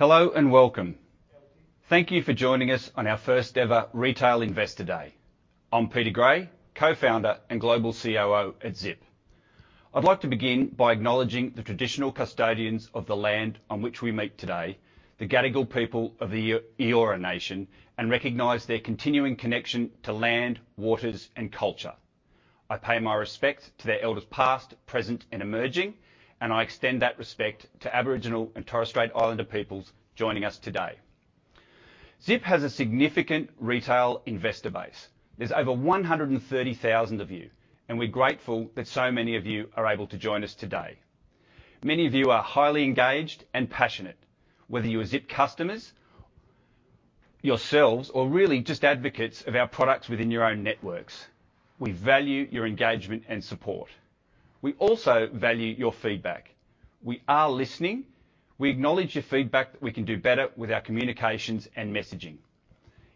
Hello and welcome. Thank you for joining us on our first ever Retail Investor Day. I'm Peter Gray, co-founder and global COO at Zip. I'd like to begin by acknowledging the traditional custodians of the land on which we meet today, the Gadigal people of the Eora Nation, and recognize their continuing connection to land, waters, and culture. I pay my respect to their elders past, present, and emerging, and I extend that respect to Aboriginal and Torres Strait Islander peoples joining us today. Zip has a significant retail investor base. There's over 130,000 of you, and we're grateful that so many of you are able to join us today. Many of you are highly engaged and passionate, whether you are Zip customers yourselves, or really just advocates of our products within your own networks. We value your engagement and support. We also value your feedback. We are listening. We acknowledge your feedback that we can do better with our communications and messaging.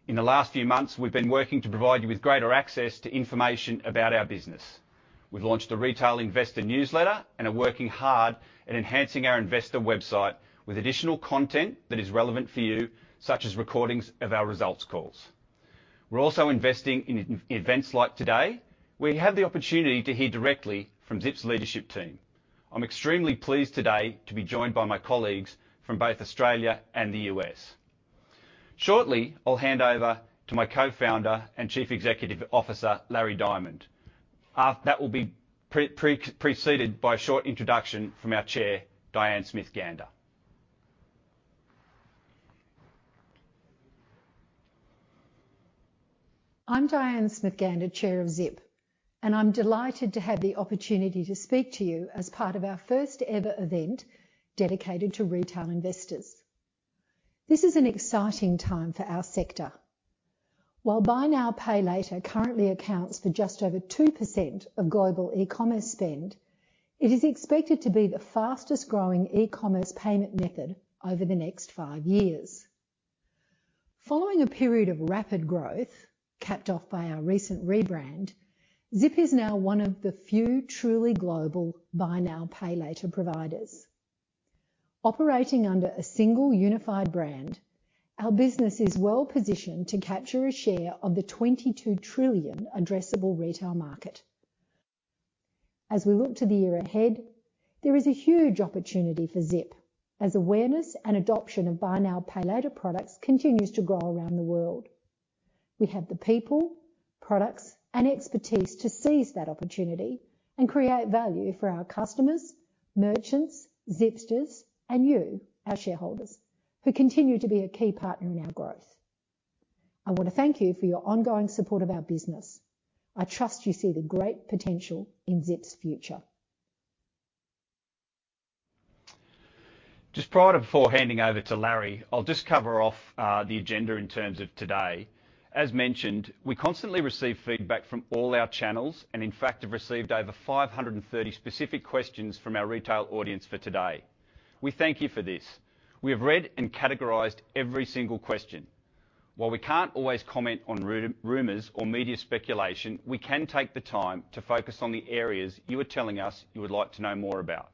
In the last few months, we've been working to provide you with greater access to information about our business. We've launched a retail investor newsletter and are working hard at enhancing our investor website with additional content that is relevant for you, such as recordings of our results calls. We're also investing in events like today, where you have the opportunity to hear directly from Zip's leadership team. I'm extremely pleased today to be joined by my colleagues from both Australia and the U.S. Shortly, I'll hand over to my co-founder and Chief Executive Officer, Larry Diamond. That will be preceded by a short introduction from our Chair, Diane Smith-Gander. I'm Diane Smith-Gander, chair of Zip, and I'm delighted to have the opportunity to speak to you as part of our first ever event dedicated to retail investors. This is an exciting time for our sector. While buy now, pay later currently accounts for just over 2% of global e-commerce spend, it is expected to be the fastest-growing e-commerce payment method over the next five years. Following a period of rapid growth, capped off by our recent rebrand, Zip is now one of the few truly global buy now, pay later providers. Operating under a single unified brand, our business is well-positioned to capture a share of the 22 trillion addressable retail market. As we look to the year ahead, there is a huge opportunity for Zip, as awareness and adoption of buy now, pay later products continues to grow around the world. We have the people, products, and expertise to seize that opportunity and create value for our customers, merchants, Zipsters, and you, our shareholders, who continue to be a key partner in our growth. I want to thank you for your ongoing support of our business. I trust you see the great potential in Zip's future. Just prior to before handing over to Larry, I'll just cover off the agenda in terms of today. As mentioned, we constantly receive feedback from all our channels and, in fact, have received over 530 specific questions from our retail audience for today. We thank you for this. We have read and categorized every single question. While we can't always comment on rumors or media speculation, we can take the time to focus on the areas you are telling us you would like to know more about.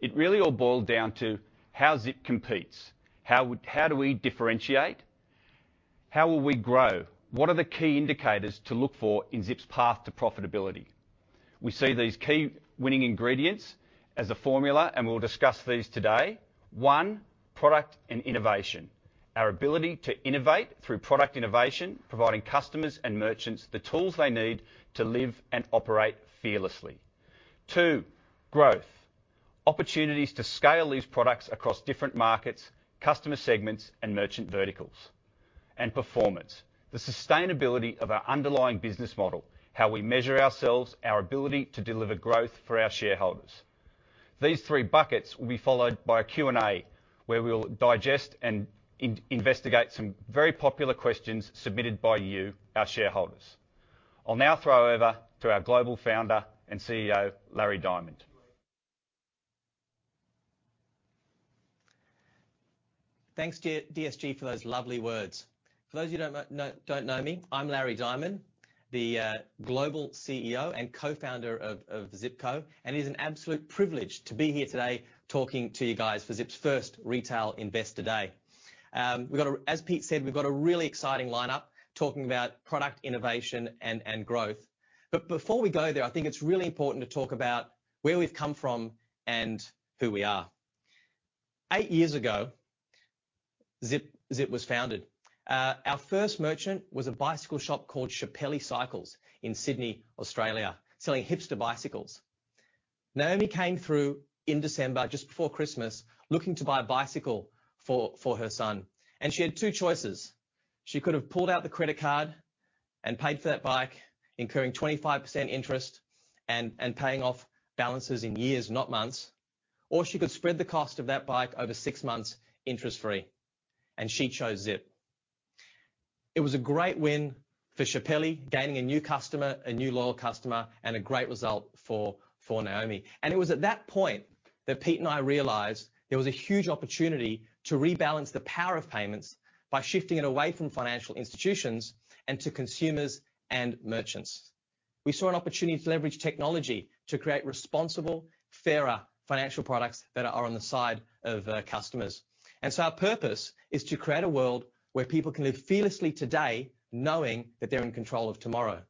It really all boiled down to how Zip competes. How do we differentiate? How will we grow? What are the key indicators to look for in Zip's path to profitability? We see these key winning ingredients as a formula, and we'll discuss these today. One, product and innovation. Our ability to innovate through product innovation, providing customers and merchants the tools they need to live and operate fearlessly. Two, growth. Opportunities to scale these products across different markets, customer segments, and merchant verticals. Performance, the sustainability of our underlying business model, how we measure ourselves, our ability to deliver growth for our shareholders. These three buckets will be followed by a Q&A, where we'll digest and investigate some very popular questions submitted by you, our shareholders. I'll now throw over to our global Founder and CEO, Larry Diamond. Thanks, DSG, for those lovely words. For those who don't know me, I'm Larry Diamond, the Global CEO and Co-founder of Zip Co. It is an absolute privilege to be here today talking to you guys for Zip's first Retail Investor Day. As Pete said, we've got a really exciting lineup talking about product innovation and growth. Before we go there, I think it's really important to talk about where we've come from and who we are. Eight years ago, Zip was founded. Our first merchant was a bicycle shop called Chappelli Cycles in Sydney, Australia, selling hipster bicycles. Naomi came through in December, just before Christmas, looking to buy a bicycle for her son. She had two choices. She could have pulled out the credit card and paid for that bike, incurring 25% interest and paying off balances in years, not months, or she could spread the cost of that bike over six months interest free. She chose Zip. It was a great win for Schiaparelli, gaining a new customer, a new loyal customer, and a great result for Naomi. It was at that point that Pete and I realized there was a huge opportunity to rebalance the power of payments by shifting it away from financial institutions and to consumers and merchants. We saw an opportunity to leverage technology to create responsible, fairer financial products that are on the side of customers. Our purpose is to create a world where people can live fearlessly today knowing that they're in control of tomorrow.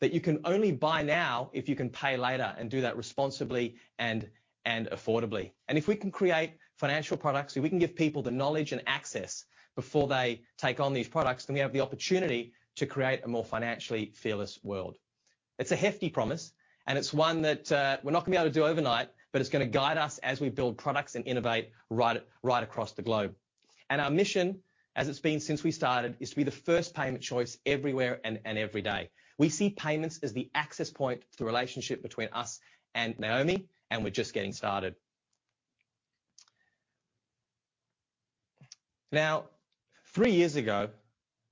You can only buy now if you can pay later and do that responsibly and affordably. If we can create financial products, if we can give people the knowledge and access before they take on these products, then we have the opportunity to create a more financially fearless world. It's a hefty promise, and it's one that we're not going to be able to do overnight, but it's going to guide us as we build products and innovate right across the globe. Our mission, as it's been since we started, is to be the first payment choice everywhere and every day. We see payments as the access point to the relationship between us and Naomi, and we're just getting started. Three years ago,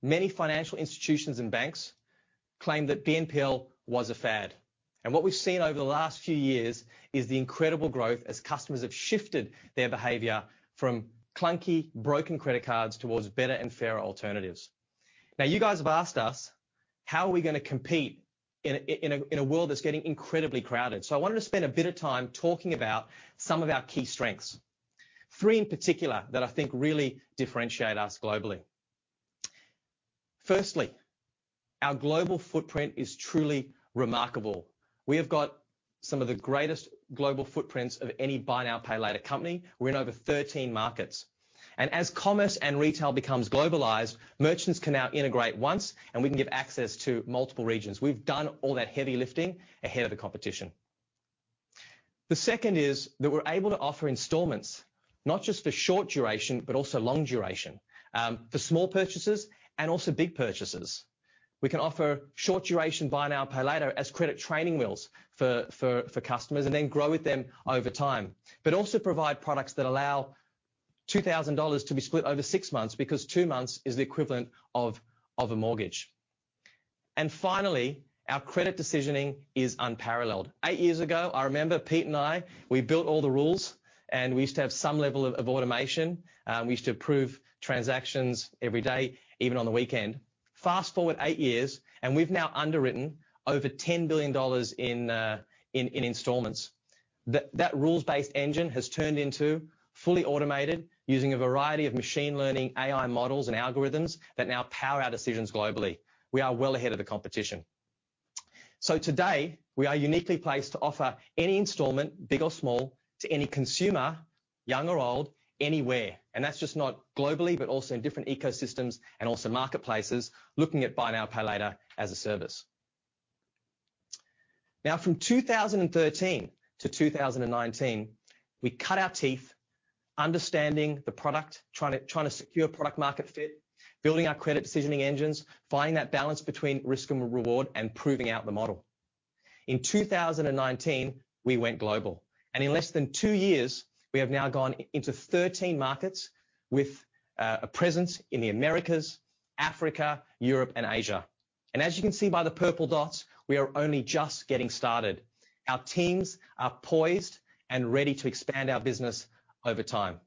many financial institutions and banks claimed that BNPL was a fad. What we've seen over the last few years is the incredible growth as customers have shifted their behavior from clunky, broken credit cards towards better and fairer alternatives. You guys have asked us how are we going to compete in a world that's getting incredibly crowded. I wanted to spend a bit of time talking about some of our key strengths, three in particular that I think really differentiate us globally. Firstly, our global footprint is truly remarkable. We have got some of the greatest global footprints of any buy now, pay later company. We're in over 13 markets. As commerce and retail becomes globalized, merchants can now integrate once and we can give access to multiple regions. We've done all that heavy lifting ahead of the competition. The second is that we're able to offer installments, not just for short duration, but also long duration. For small purchases and also big purchases. We can offer short duration buy now, pay later as credit training wheels for customers and then grow with them over time, but also provide products that allow 2,000 dollars to be split over six months because two months is the equivalent of a mortgage. Finally, our credit decisioning is unparalleled. eight years ago, I remember Peter Gray and I, we built all the rules, and we used to have some level of automation. We used to approve transactions every day, even on the weekend. Fast-forward eight years, and we've now underwritten over 10 billion dollars in installments. That rules-based engine has turned into fully automated, using a variety of machine learning AI models and algorithms that now power our decisions globally. We are well ahead of the competition. Today, we are uniquely placed to offer any installment, big or small, to any consumer, young or old, anywhere. That's just not globally, but also in different ecosystems and also marketplaces looking at buy now, pay later as a service. From 2013 to 2019, we cut our teeth understanding the product, trying to secure product market fit, building our credit decisioning engines, finding that balance between risk and reward, and proving out the model. In 2019, we went global. In less than two years, we have now gone into 13 markets with a presence in the Americas, Africa, Europe, and Asia. As you can see by the purple dots, we are only just getting started. Our teams are poised and ready to expand our business over time.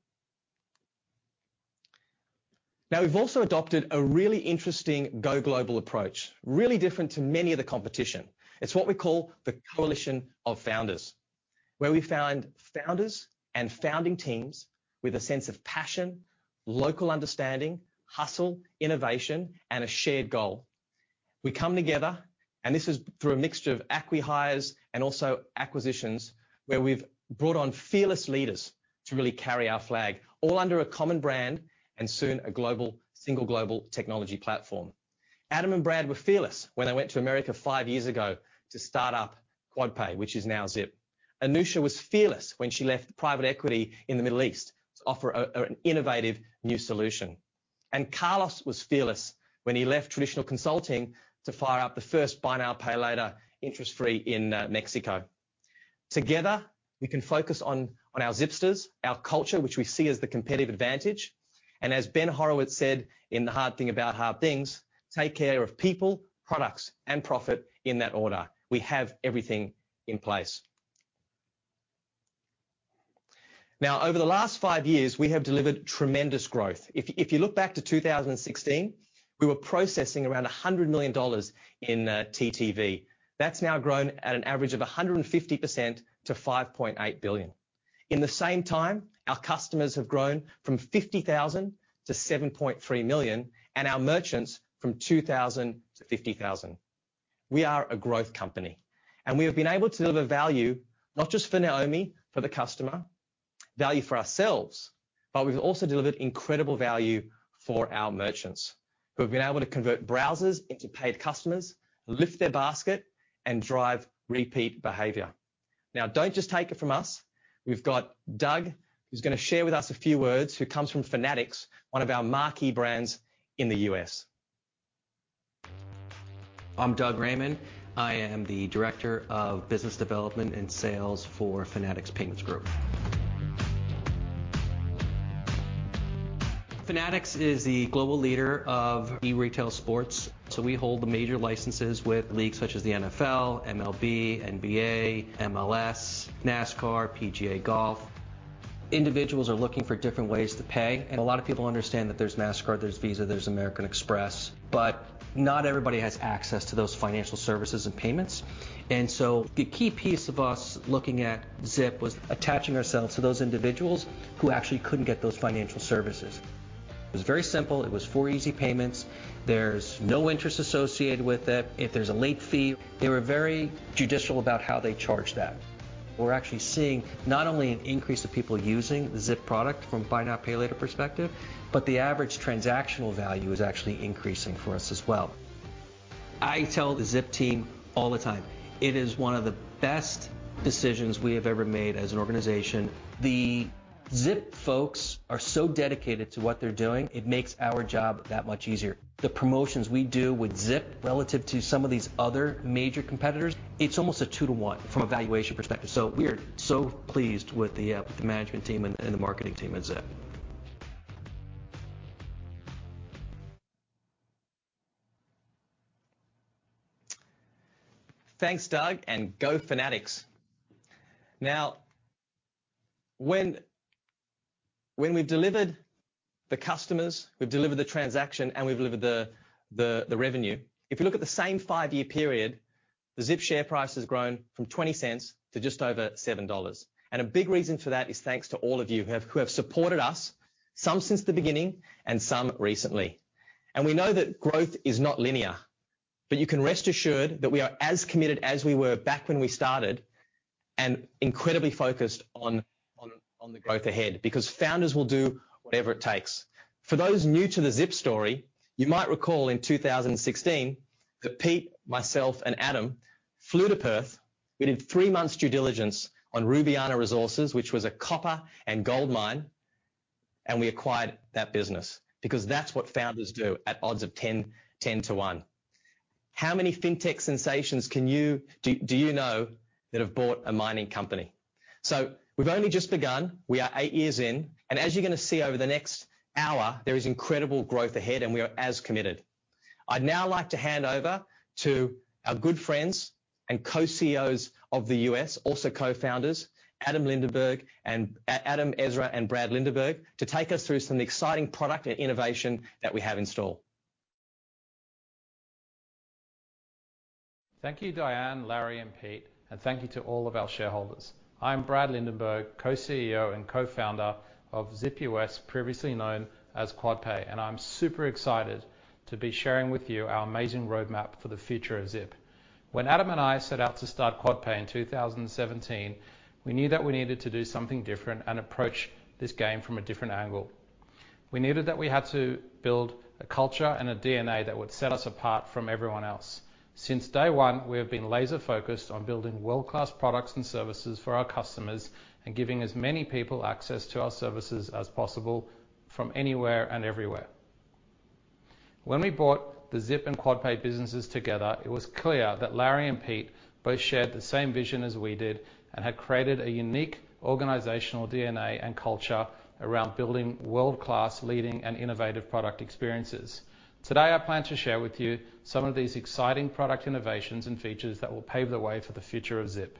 We've also adopted a really interesting go global approach, really different to many of the competition. It's what we call the Coalition of Founders, where we found founders and founding teams with a sense of passion, local understanding, hustle, innovation, and a shared goal. We come together, and this is through a mixture of acqui-hires and also acquisitions, where we've brought on fearless leaders to really carry our flag, all under a common brand, and soon, a single global technology platform. Adam and Brad were fearless when they went to America five years ago to start up Quadpay, which is now Zip. Anuscha was fearless when she left private equity in the Middle East to offer an innovative new solution. Carlos was fearless when he left traditional consulting to fire up the first buy now, pay later interest-free in Mexico. Together, we can focus on our Zipsters, our culture, which we see as the competitive advantage. As Ben Horowitz said in "The Hard Thing About Hard Things," "Take care of people, products, and profit in that order." We have everything in place. Over the last five years, we have delivered tremendous growth. If you look back to 2016, we were processing around 100 million dollars in TTV. That's now grown at an average of 150% to 5.8 billion. In the same time, our customers have grown from 50,000 - 7.3 million, and our merchants from 2,000 - 50,000. We are a growth company, and we have been able to deliver value, not just for Naomi, for the customer, value for ourselves, but we've also delivered incredible value for our merchants, who have been able to convert browsers into paid customers, lift their basket, and drive repeat behavior. Don't just take it from us. We've got Doug, who's going to share with us a few words, who comes from Fanatics, one of our marquee brands in the U.S. I'm Doug Raymond. I am the Director of Business Development and Sales for Fanatics Payments Group. Fanatics is the global leader of e-retail sports. We hold the major licenses with leagues such as the NFL, MLB, NBA, MLS, NASCAR, PGA golf. Individuals are looking for different ways to pay, and a lot of people understand that there's Mastercard, there's Visa, there's American Express, but not everybody has access to those financial services and payments. The key piece of us looking at Zip was attaching ourselves to those individuals who actually couldn't get those financial services. It was very simple. It was four easy payments. There's no interest associated with it. If there's a late fee, they were very judicial about how they charged that. We're actually seeing not only an increase of people using the Zip product from buy now, pay later perspective, but the average transactional value is actually increasing for us as well. I tell the Zip team all the time, it is one of the best decisions we have ever made as an organization. The Zip folks are so dedicated to what they're doing. It makes our job that much easier. The promotions we do with Zip relative to some of these other major competitors, it's almost a two to one from a valuation perspective. We're so pleased with the management team and the marketing team at Zip. Thanks, Doug. Go Fanatics. When we've delivered the customers, we've delivered the transaction, and we've delivered the revenue. If you look at the same five-year period, the Zip share price has grown from 0.20 to just over 7 dollars. A big reason for that is thanks to all of you who have supported us, some since the beginning and some recently. We know that growth is not linear, but you can rest assured that we are as committed as we were back when we started and incredibly focused on the growth ahead, because founders will do whatever it takes. For those new to the Zip story, you might recall in 2016 that Peter, myself, and Adam flew to Perth. We did three months due diligence on Rubianna Resources, which was a copper and gold mine, and we acquired that business because that's what founders do at odds of 10 to one. How many fintech sensations do you know that have bought a mining company? We've only just begun. We are eight years in, and as you're going to see over the next hour, there is incredible growth ahead, and we are as committed. I'd now like to hand over to our good friends and Co-CEOs of the U.S., also co-founders, Adam Ezra and Brad Lindenberg, to take us through some of the exciting product and innovation that we have in store. Thank you, Diane, Larry, and Pete. Thank you to all of our shareholders. I'm Brad Lindenberg, Co-CEO and Co-Founder of Zip US, previously known as Quadpay. I'm super excited to be sharing with you our amazing roadmap for the future of Zip. When Adam and I set out to start Quadpay in 2017, we knew that we needed to do something different and approach this game from a different angle. We knew that we had to build a culture and a DNA that would set us apart from everyone else. Since day one, we have been laser-focused on building world-class products and services for our customers and giving as many people access to our services as possible from anywhere and everywhere. When we bought the Zip and Quadpay businesses together, it was clear that Larry and Pete both shared the same vision as we did and had created a unique organizational DNA and culture around building world-class leading and innovative product experiences. Today, I plan to share with you some of these exciting product innovations and features that will pave the way for the future of Zip.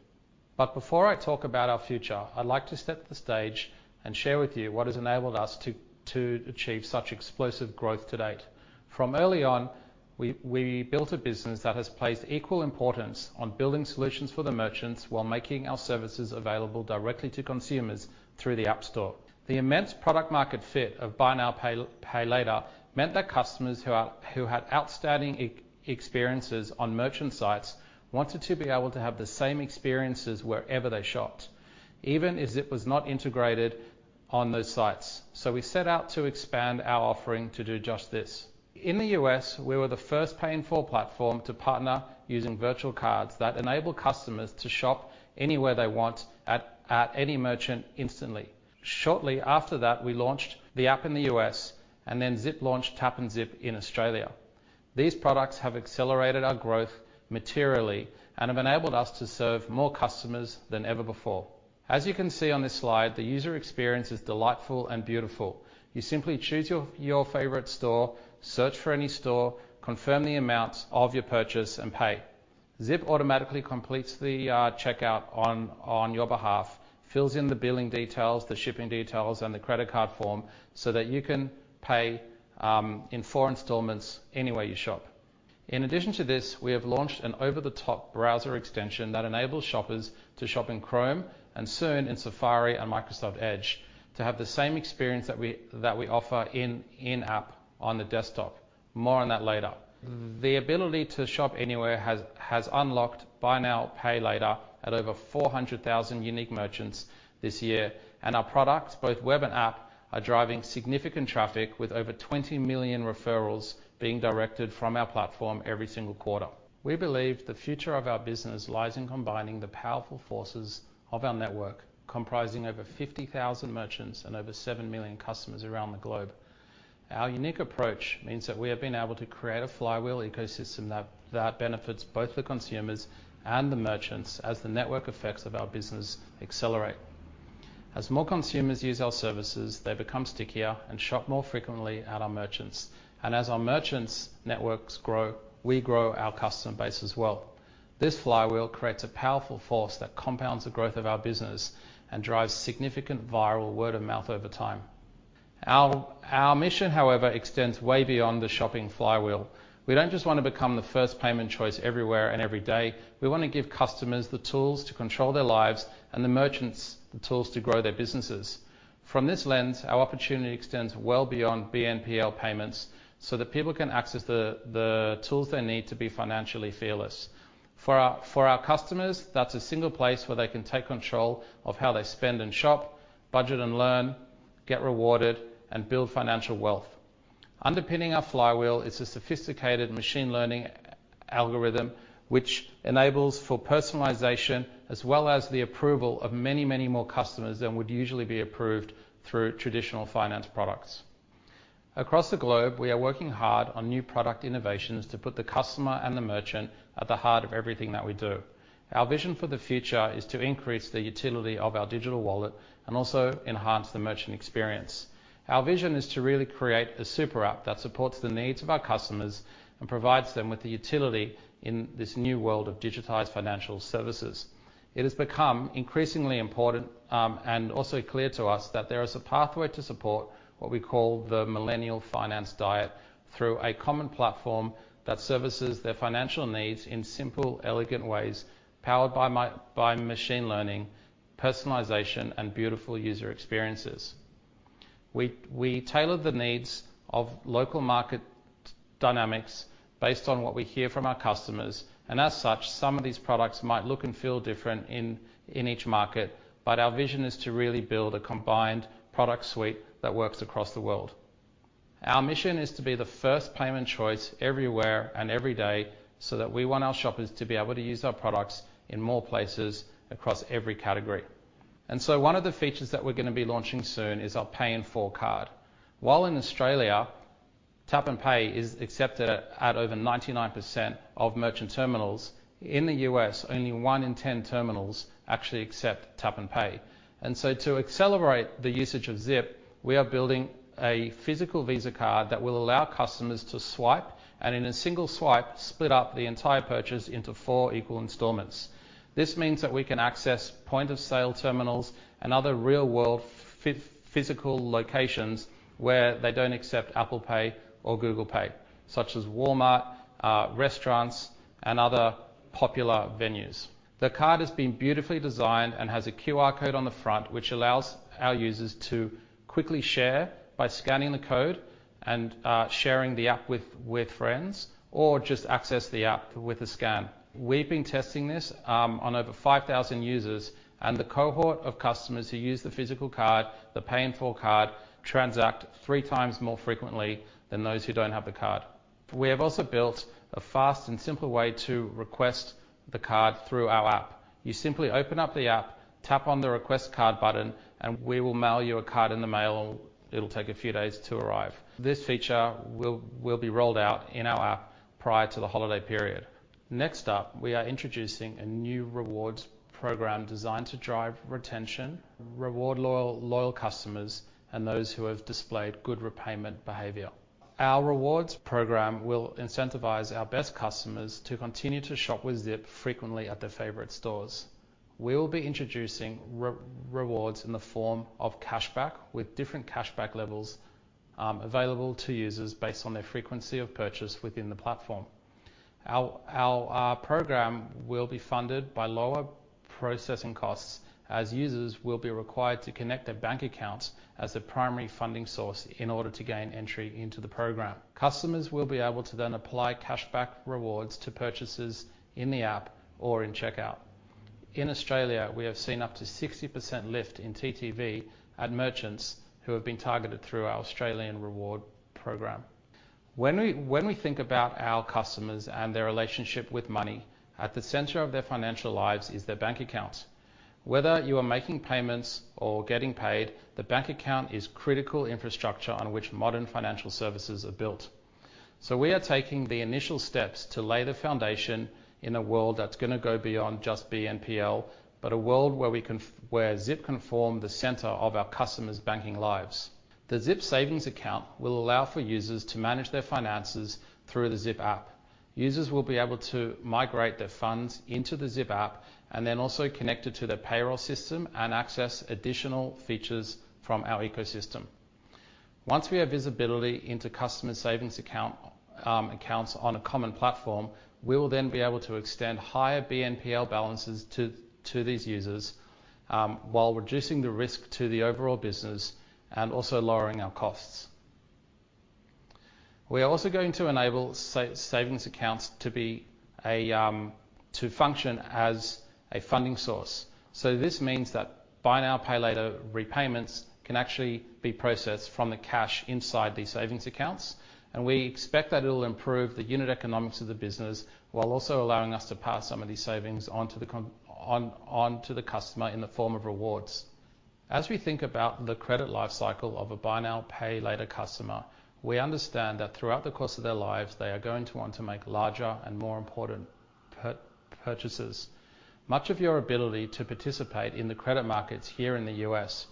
Before I talk about our future, I'd like to set the stage and share with you what has enabled us to achieve such explosive growth to date. From early on, we built a business that has placed equal importance on building solutions for the merchants while making our services available directly to consumers through the App Store. The immense product-market fit of buy now, pay later meant that customers who had outstanding experiences on merchant sites wanted to be able to have the same experiences wherever they shopped, even if Zip was not integrated on those sites. We set out to expand our offering to do just this. In the U.S., we were the first pay-in-four platform to partner using virtual cards that enable customers to shop anywhere they want at any merchant instantly. Shortly after that, we launched the app in the U.S. and then Zip launched Tap and Zip in Australia. These products have accelerated our growth materially and have enabled us to serve more customers than ever before. As you can see on this slide, the user experience is delightful and beautiful. You simply choose your favorite store, search for any store, confirm the amounts of your purchase, and pay. Zip automatically completes the checkout on your behalf, fills in the billing details, the shipping details, and the credit card form so that you can pay in four installments anywhere you shop. In addition to this, we have launched an over-the-top browser extension that enables shoppers to shop in Chrome and soon in Safari and Microsoft Edge to have the same experience that we offer in-app on the desktop. More on that later. The ability to shop anywhere has unlocked buy now, pay later at over 400,000 unique merchants this year, and our products, both web and app, are driving significant traffic with over 20 million referrals being directed from our platform every single quarter. We believe the future of our business lies in combining the powerful forces of our network, comprising over 50,000 merchants and over 7 million customers around the globe. Our unique approach means that we have been able to create a flywheel ecosystem that benefits both the consumers and the merchants as the network effects of our business accelerate. As more consumers use our services, they become stickier and shop more frequently at our merchants. As our merchants' networks grow, we grow our customer base as well. This flywheel creates a powerful force that compounds the growth of our business and drives significant viral word-of-mouth over time. Our mission, however, extends way beyond the shopping flywheel. We don't just want to become the first payment choice everywhere and every day. We want to give customers the tools to control their lives, and the merchants the tools to grow their businesses. From this lens, our opportunity extends well beyond BNPL payments, so that people can access the tools they need to be financially fearless. For our customers, that's a single place where they can take control of how they spend and shop, budget and learn, get rewarded, and build financial wealth. Underpinning our flywheel is a sophisticated machine learning algorithm, which enables for personalization as well as the approval of many more customers than would usually be approved through traditional finance products. Across the globe, we are working hard on new product innovations to put the customer and the merchant at the heart of everything that we do. Our vision for the future is to increase the utility of our digital wallet and also enhance the merchant experience. Our vision is to really create a super app that supports the needs of our customers and provides them with the utility in this new world of digitized financial services. It has become increasingly important, and also clear to us, that there is a pathway to support what we call the millennial finance diet through a common platform that services their financial needs in simple, elegant ways, powered by machine learning, personalization, and beautiful user experiences. We tailor the needs of local market dynamics based on what we hear from our customers. As such, some of these products might look and feel different in each market. Our vision is to really build a combined product suite that works across the world. Our mission is to be the first payment choice everywhere and every day, so that we want our shoppers to be able to use our products in more places across every category. One of the features that we're going to be launching soon is our Pay in 4 Card. While in Australia, tap and pay is accepted at over 99% of merchant terminals, in the U.S., only one in 10 terminals actually accept tap and pay. To accelerate the usage of Zip, we are building a physical Visa card that will allow customers to swipe, and in a single swipe, split up the entire purchase into four equal installments. This means that we can access point-of-sale terminals and other real-world physical locations where they don't accept Apple Pay or Google Pay, such as Walmart, restaurants, and other popular venues. The card has been beautifully designed and has a QR code on the front, which allows our users to quickly share by scanning the code and sharing the app with friends, or just access the app with a scan. We've been testing this on over 5,000 users, and the cohort of customers who use the physical card, the Pay in 4 card, transact three times more frequently than those who don't have the card. We have also built a fast and simple way to request the card through our app. You simply open up the app, tap on the request card button, and we will mail you a card in the mail. It'll take a few days to arrive. This feature will be rolled out in our app prior to the holiday period. Next up, we are introducing a new rewards program designed to drive retention, reward loyal customers, and those who have displayed good repayment behavior. Our rewards program will incentivize our best customers to continue to shop with Zip frequently at their favorite stores. We will be introducing rewards in the form of cashback, with different cashback levels available to users based on their frequency of purchase within the platform. Our program will be funded by lower processing costs, as users will be required to connect their bank accounts as a primary funding source in order to gain entry into the program. Customers will be able to then apply cashback rewards to purchases in the app or in checkout. In Australia, we have seen up to 60% lift in TTV at merchants who have been targeted through our Australian reward program. When we think about our customers and their relationship with money, at the center of their financial lives is their bank accounts. Whether you are making payments or getting paid, the bank account is critical infrastructure on which modern financial services are built. We are taking the initial steps to lay the foundation in a world that's going to go beyond just BNPL, but a world where Zip can form the center of our customers' banking lives. The Zip Savings account will allow for users to manage their finances through the Zip app. Users will be able to migrate their funds into the Zip app, and then also connect it to their payroll system and access additional features from our ecosystem. Once we have visibility into customer savings accounts on a common platform, we will then be able to extend higher BNPL balances to these users, while reducing the risk to the overall business and also lowering our costs. We are also going to enable savings accounts to function as a funding source. This means that buy now, pay later repayments can actually be processed from the cash inside these savings accounts. We expect that it'll improve the unit economics of the business, while also allowing us to pass some of these savings on to the customer in the form of rewards. As we think about the credit life cycle of a buy now, pay later customer, we understand that throughout the course of their lives, they are going to want to make larger and more important purchases. Much of your ability to participate in the credit markets here in the U.S.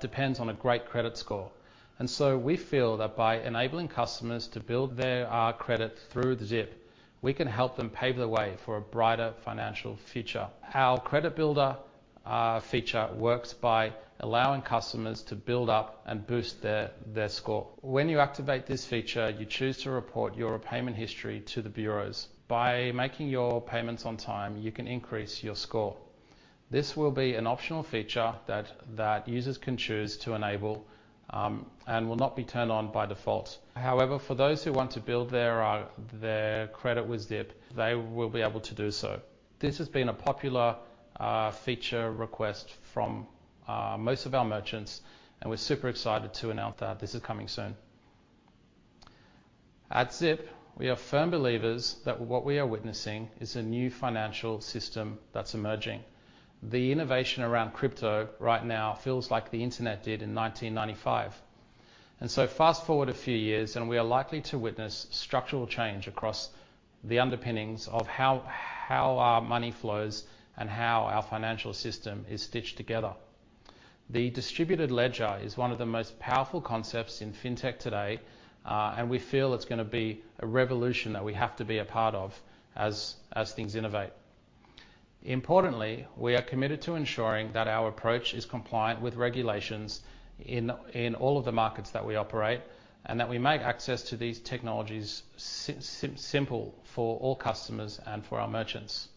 depends on a great credit score. We feel that by enabling customers to build their credit through Zip, we can help them pave the way for a brighter financial future. Our credit builder feature works by allowing customers to build up and boost their score. When you activate this feature, you choose to report your payment history to the bureaus. By making your payments on time, you can increase your score. This will be an optional feature that users can choose to enable, and will not be turned on by default. However, for those who want to build their credit with Zip, they will be able to do so. This has been a popular feature request from most of our merchants, and we're super excited to announce that this is coming soon. At Zip, we are firm believers that what we are witnessing is a new financial system that's emerging. The innovation around crypto right now feels like the internet did in 1995. Fast-forward a few years, and we are likely to witness structural change across the underpinnings of how our money flows and how our financial system is stitched together. The distributed ledger is one of the most powerful concepts in fintech today, and we feel it's going to be a revolution that we have to be a part of as things innovate. Importantly, we are committed to ensuring that our approach is compliant with regulations in all of the markets that we operate, and that we make access to these technologies simple for all customers and for our merchants.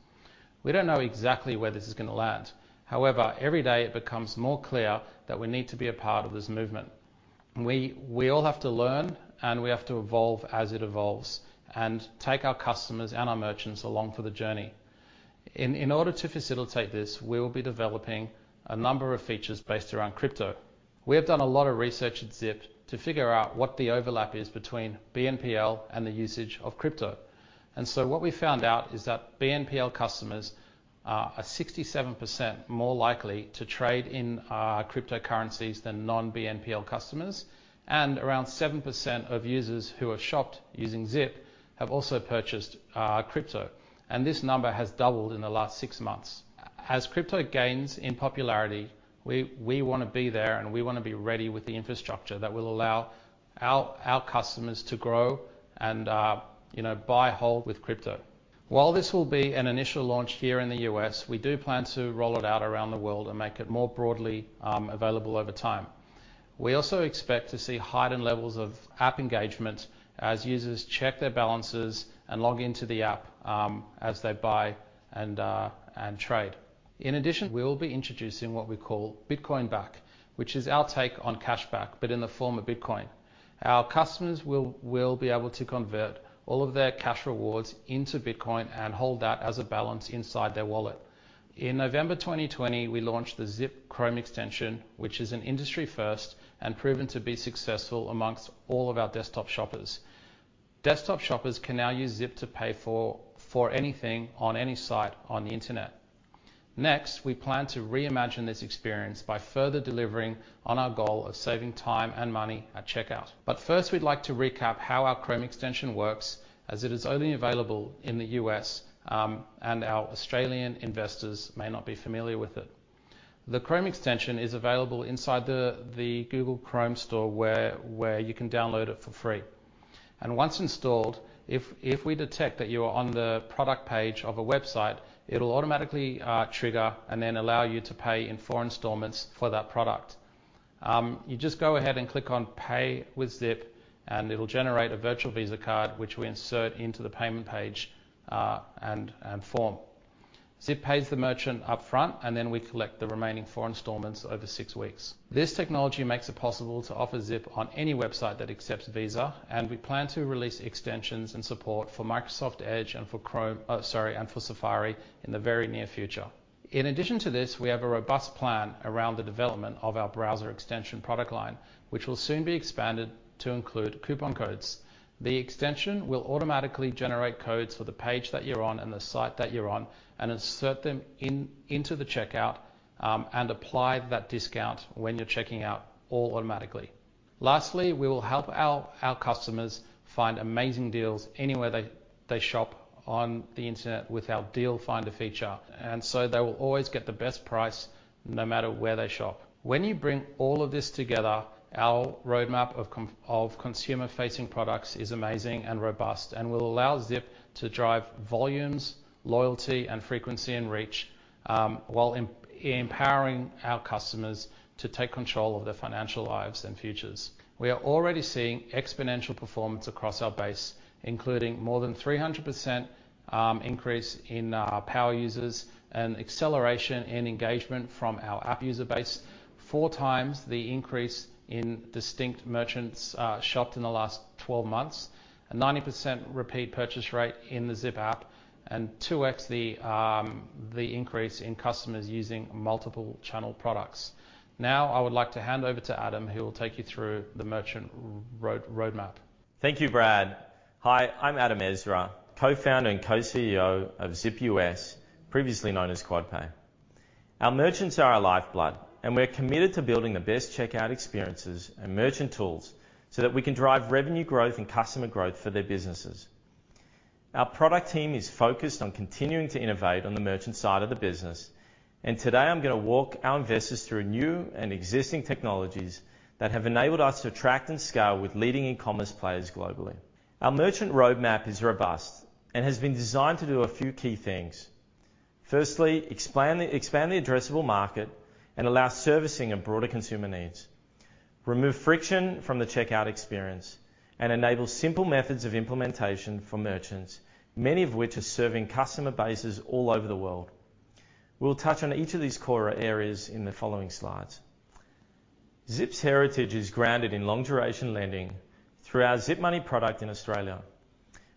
We don't know exactly where this is going to land. However, every day it becomes more clear that we need to be a part of this movement. We all have to learn, and we have to evolve as it evolves, and take our customers and our merchants along for the journey. In order to facilitate this, we will be developing a number of features based around crypto. We have done a lot of research at Zip to figure out what the overlap is between BNPL and the usage of crypto. What we found out is that BNPL customers are 67% more likely to trade in cryptocurrencies than non-BNPL customers, and around 7% of users who have shopped using Zip have also purchased crypto, and this number has doubled in the last six months. As crypto gains in popularity, we want to be there and we want to be ready with the infrastructure that will allow our customers to grow and buy/hold with crypto. While this will be an initial launch here in the U.S., we do plan to roll it out around the world and make it more broadly available over time. We also expect to see heightened levels of app engagement as users check their balances and log into the app as they buy and trade. We will be introducing what we call Bitcoin Back, which is our take on cashback, but in the form of Bitcoin. Our customers will be able to convert all of their cash rewards into Bitcoin and hold that as a balance inside their wallet. In November 2020, we launched the Zip Chrome extension, which is an industry first and proven to be successful amongst all of our desktop shoppers. Desktop shoppers can now use Zip to pay for anything on any site on the internet. Next, we plan to reimagine this experience by further delivering on our goal of saving time and money at checkout. First, we'd like to recap how our Chrome extension works, as it is only available in the U.S., and our Australian investors may not be familiar with it. The Chrome extension is available inside the Google Chrome Store, where you can download it for free. Once installed, if we detect that you are on the product page of a website, it'll automatically trigger and then allow you to pay in four installments for that product. You just go ahead and click on Pay with Zip, and it'll generate a virtual Visa card, which we insert into the payment page and form. Zip pays the merchant upfront, and then we collect the remaining four installments over six weeks. This technology makes it possible to offer Zip on any website that accepts Visa. We plan to release extensions and support for Microsoft Edge and for Chrome and for Safari in the very near future. In addition to this, we have a robust plan around the development of our browser extension product line, which will soon be expanded to include coupon codes. The extension will automatically generate codes for the page that you're on and the site that you're on and insert them into the checkout, and apply that discount when you're checking out, all automatically. Lastly, we will help our customers find amazing deals anywhere they shop on the internet with our Deal Finder feature. They will always get the best price, no matter where they shop. When you bring all of this together, our roadmap of consumer-facing products is amazing and robust and will allow Zip to drive volumes, loyalty, and frequency and reach, while empowering our customers to take control of their financial lives and futures. We are already seeing exponential performance across our base, including more than 300% increase in our power users and acceleration in engagement from our app user base, four times the increase in distinct merchants shopped in the last 12 months, a 90% repeat purchase rate in the Zip app, and 2x the increase in customers using multiple channel products. Now, I would like to hand over to Adam, who will take you through the merchant roadmap. Thank you, Brad. Hi, I'm Adam Ezra, Co-founder and Co-CEO of Zip US, previously known as Quadpay. Our merchants are our lifeblood, and we're committed to building the best checkout experiences and merchant tools so that we can drive revenue growth and customer growth for their businesses. Our product team is focused on continuing to innovate on the merchant side of the business. Today, I'm going to walk our investors through new and existing technologies that have enabled us to attract and scale with leading e-commerce players globally. Our merchant roadmap is robust and has been designed to do a few key things. Firstly, expand the addressable market and allow servicing of broader consumer needs, remove friction from the checkout experience, and enable simple methods of implementation for merchants, many of which are serving customer bases all over the world. We'll touch on each of these core areas in the following slides. Zip's heritage is grounded in long-duration lending through our Zip Money product in Australia.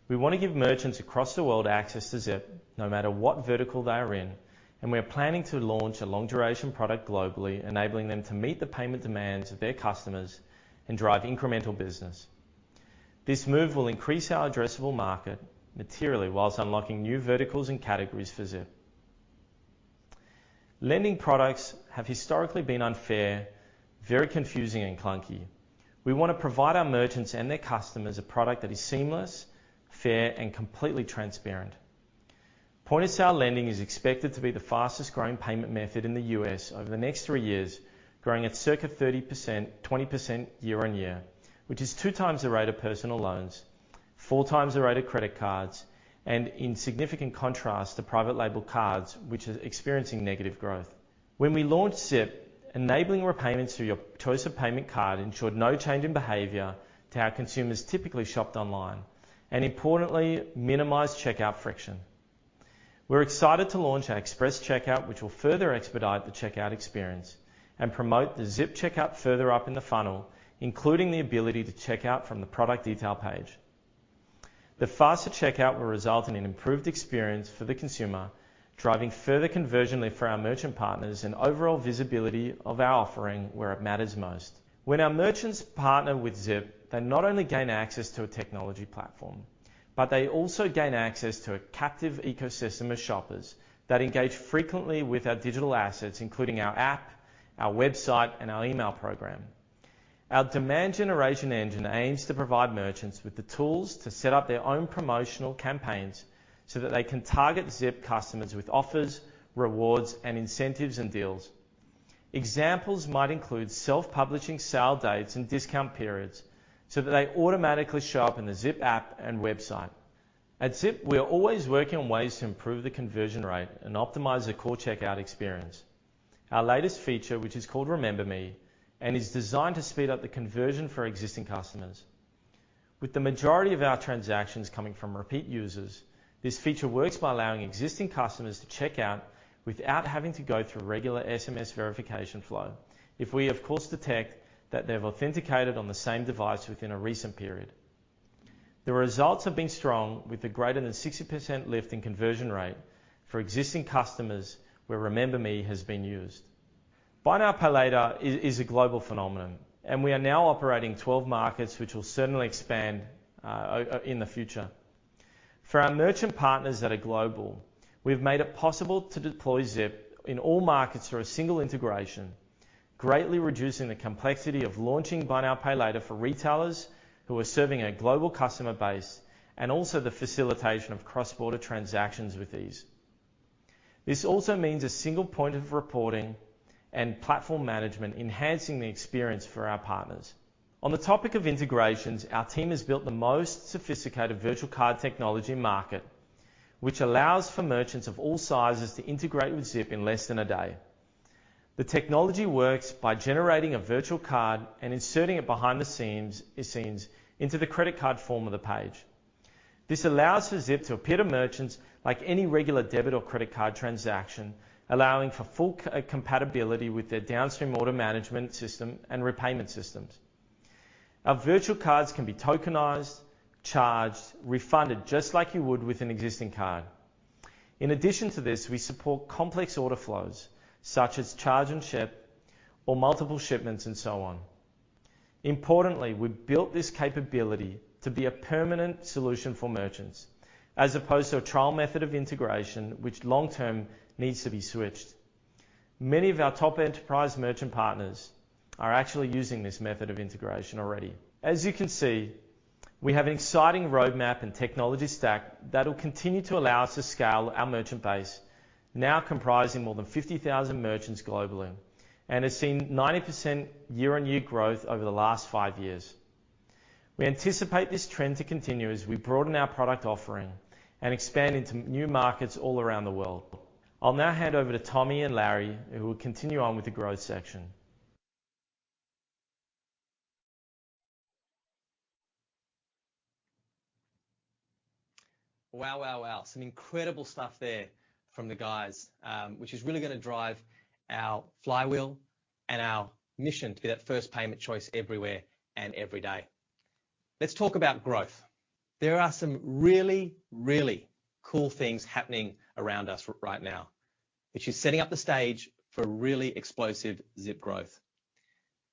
We want to give merchants across the world access to Zip, no matter what vertical they are in, and we are planning to launch a long-duration product globally, enabling them to meet the payment demands of their customers and drive incremental business. This move will increase our addressable market materially, whilst unlocking new verticals and categories for Zip. Lending products have historically been unfair, very confusing, and clunky. We want to provide our merchants and their customers a product that is seamless, fair, and completely transparent. Point-of-sale lending is expected to be the fastest-growing payment method in the U.S. over the next three years, growing at circa 30%, 20% year on year, which is two times the rate of personal loans, four times the rate of credit cards, and in significant contrast to private label cards, which are experiencing negative growth. When we launched Zip, enabling repayments through your choice of payment card ensured no change in behavior to how consumers typically shopped online and, importantly, minimized checkout friction. We're excited to launch our express checkout, which will further expedite the checkout experience and promote the Zip checkout further up in the funnel, including the ability to check out from the product detail page. The faster checkout will result in an improved experience for the consumer, driving further conversion for our merchant partners and overall visibility of our offering where it matters most. When our merchants partner with Zip, they not only gain access to a technology platform, but they also gain access to a captive ecosystem of shoppers that engage frequently with our digital assets, including our app, our website, and our email program. Our demand generation engine aims to provide merchants with the tools to set up their own promotional campaigns so that they can target Zip customers with offers, rewards, and incentives and deals. Examples might include self-publishing sale dates and discount periods so that they automatically show up in the Zip app and website. At Zip, we are always working on ways to improve the conversion rate and optimize the core checkout experience. Our latest feature, which is called Remember Me, and is designed to speed up the conversion for existing customers. With the majority of our transactions coming from repeat users, this feature works by allowing existing customers to check out without having to go through a regular SMS verification flow if we of course detect that they've authenticated on the same device within a recent period. The results have been strong, with a greater than 60% lift in conversion rate for existing customers where Remember Me has been used. Buy now, pay later is a global phenomenon. We are now operating 12 markets, which will certainly expand in the future. For our merchant partners that are global, we've made it possible to deploy Zip in all markets through a single integration, greatly reducing the complexity of launching buy now, pay later for retailers who are serving a global customer base, and also the facilitation of cross-border transactions with ease. This also means a single point of reporting and platform management, enhancing the experience for our partners. On the topic of integrations, our team has built the most sophisticated virtual card technology market, which allows for merchants of all sizes to integrate with Zip in less than a day. The technology works by generating a virtual card and inserting it behind the scenes into the credit card form of the page. This allows for Zip to appear to merchants like any regular debit or credit card transaction, allowing for full compatibility with their downstream order management system and repayment systems. Our virtual cards can be tokenized, charged, refunded, just like you would with an existing card. In addition to this, we support complex order flows, such as charge and ship or multiple shipments and so on. Importantly, we built this capability to be a permanent solution for merchants, as opposed to a trial method of integration which long-term needs to be switched. Many of our top enterprise merchant partners are actually using this method of integration already. As you can see, we have an exciting roadmap and technology stack that will continue to allow us to scale our merchant base, now comprising more than 50,000 merchants globally, and has seen 90% year-on-year growth over the last five years. We anticipate this trend to continue as we broaden our product offering and expand into new markets all around the world. I'll now hand over to Tommy and Larry, who will continue on with the growth section. Wow. Some incredible stuff there from the guys, which is really going to drive our flywheel and our mission to be that first payment choice everywhere and every day. Let's talk about growth. There are some really cool things happening around us right now, which is setting up the stage for really explosive Zip growth.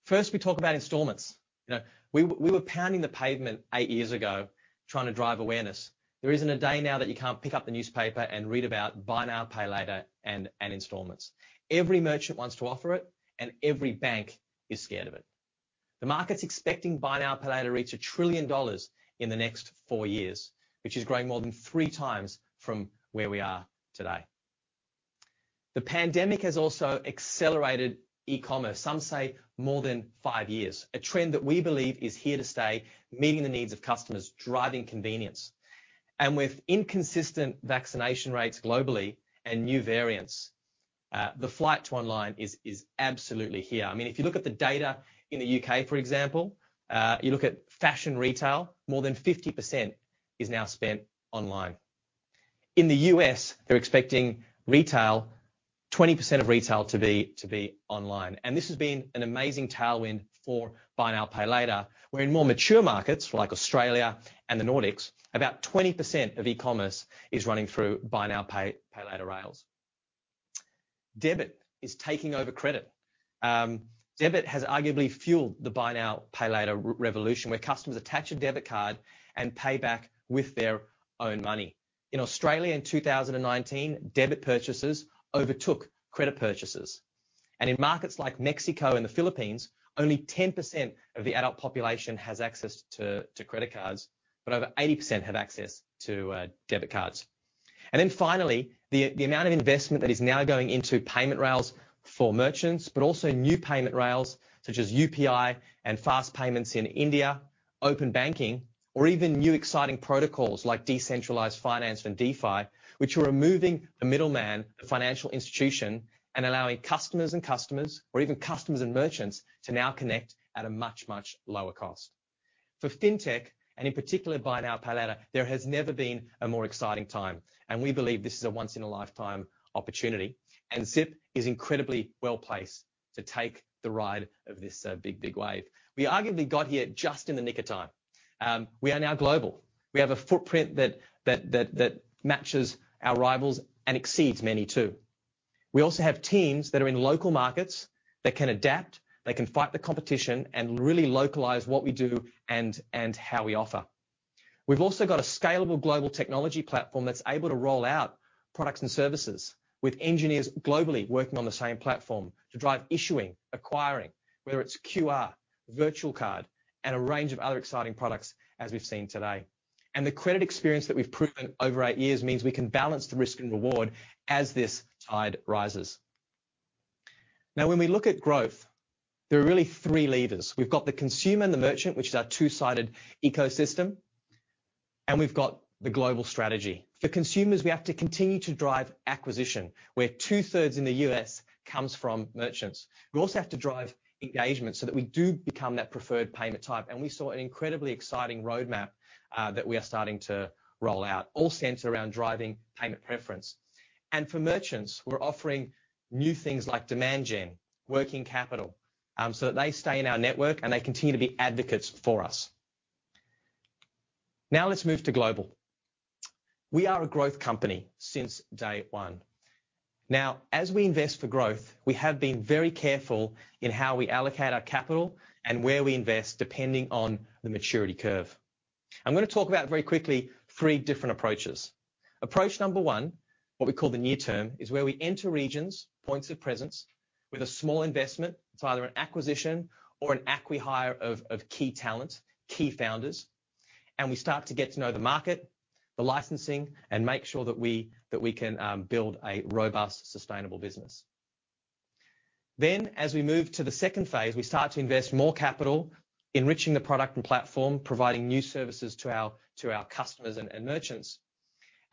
First, we talk about installments. We were pounding the pavement eight years ago trying to drive awareness. There isn't a day now that you can't pick up the newspaper and read about buy now, pay later and installments. Every merchant wants to offer it and every bank is scared of it. The market's expecting buy now, pay later to reach 1 trillion dollars in the next four years, which is growing more than three times from where we are today. The pandemic has also accelerated e-commerce, some say more than five years, a trend that we believe is here to stay, meeting the needs of customers, driving convenience. With inconsistent vaccination rates globally and new variants, the flight to online is absolutely here. You look at the data in the U.K., for example, you look at fashion retail, more than 50% is now spent online. In the U.S., they're expecting 20% of retail to be online. This has been an amazing tailwind for buy now, pay later, where in more mature markets like Australia and the Nordics, about 20% of e-commerce is running through buy now, pay later rails. Debit is taking over credit. Debit has arguably fueled the buy now, pay later revolution, where customers attach a debit card and pay back with their own money. In Australia in 2019, debit purchases overtook credit purchases. In markets like Mexico and the Philippines, only 10% of the adult population has access to credit cards, but over 80% have access to debit cards. Finally, the amount of investment that is now going into payment rails for merchants, but also new payment rails such as UPI and fast payments in India, open banking, or even new exciting protocols like decentralized finance and DeFi, which are removing the middleman, the financial institution, and allowing customers, or even customers and merchants, to now connect at a much, much lower cost. For fintech, and in particular, buy now, pay later, there has never been a more exciting time, we believe this is a once in a lifetime opportunity. Zip is incredibly well-placed to take the ride of this big wave. We arguably got here just in the nick of time. We are now global. We have a footprint that matches our rivals and exceeds many, too. We also have teams that are in local markets that can adapt, they can fight the competition, and really localize what we do and how we offer. We've also got a scalable global technology platform that's able to roll out products and services with engineers globally working on the same platform to drive issuing, acquiring, whether it's QR, virtual card, and a range of other exciting products as we've seen today. The credit experience that we've proven over eight years means we can balance the risk and reward as this tide rises. Now, when we look at growth, there are really three levers. We've got the consumer and the merchant, which is our two-sided ecosystem, and we've got the global strategy. For consumers, we have to continue to drive acquisition, where two-thirds in the U.S. comes from merchants. We also have to drive engagement so that we do become that preferred payment type. We saw an incredibly exciting roadmap that we are starting to roll out, all centered around driving payment preference. For merchants, we're offering new things like demand gen, working capital, so that they stay in our network and they continue to be advocates for us. Let's move to global. We are a growth company since day one. As we invest for growth, we have been very careful in how we allocate our capital and where we invest, depending on the maturity curve. I'm going to talk about very quickly three different approaches. Approach number one, what we call the near term, is where we enter regions, points of presence, with a small investment. It's either an acquisition or an acqui-hire of key talent, key founders, and we start to get to know the market, the licensing, and make sure that we can build a robust, sustainable business. As we move to the second phase, we start to invest more capital, enriching the product and platform, providing new services to our customers and merchants.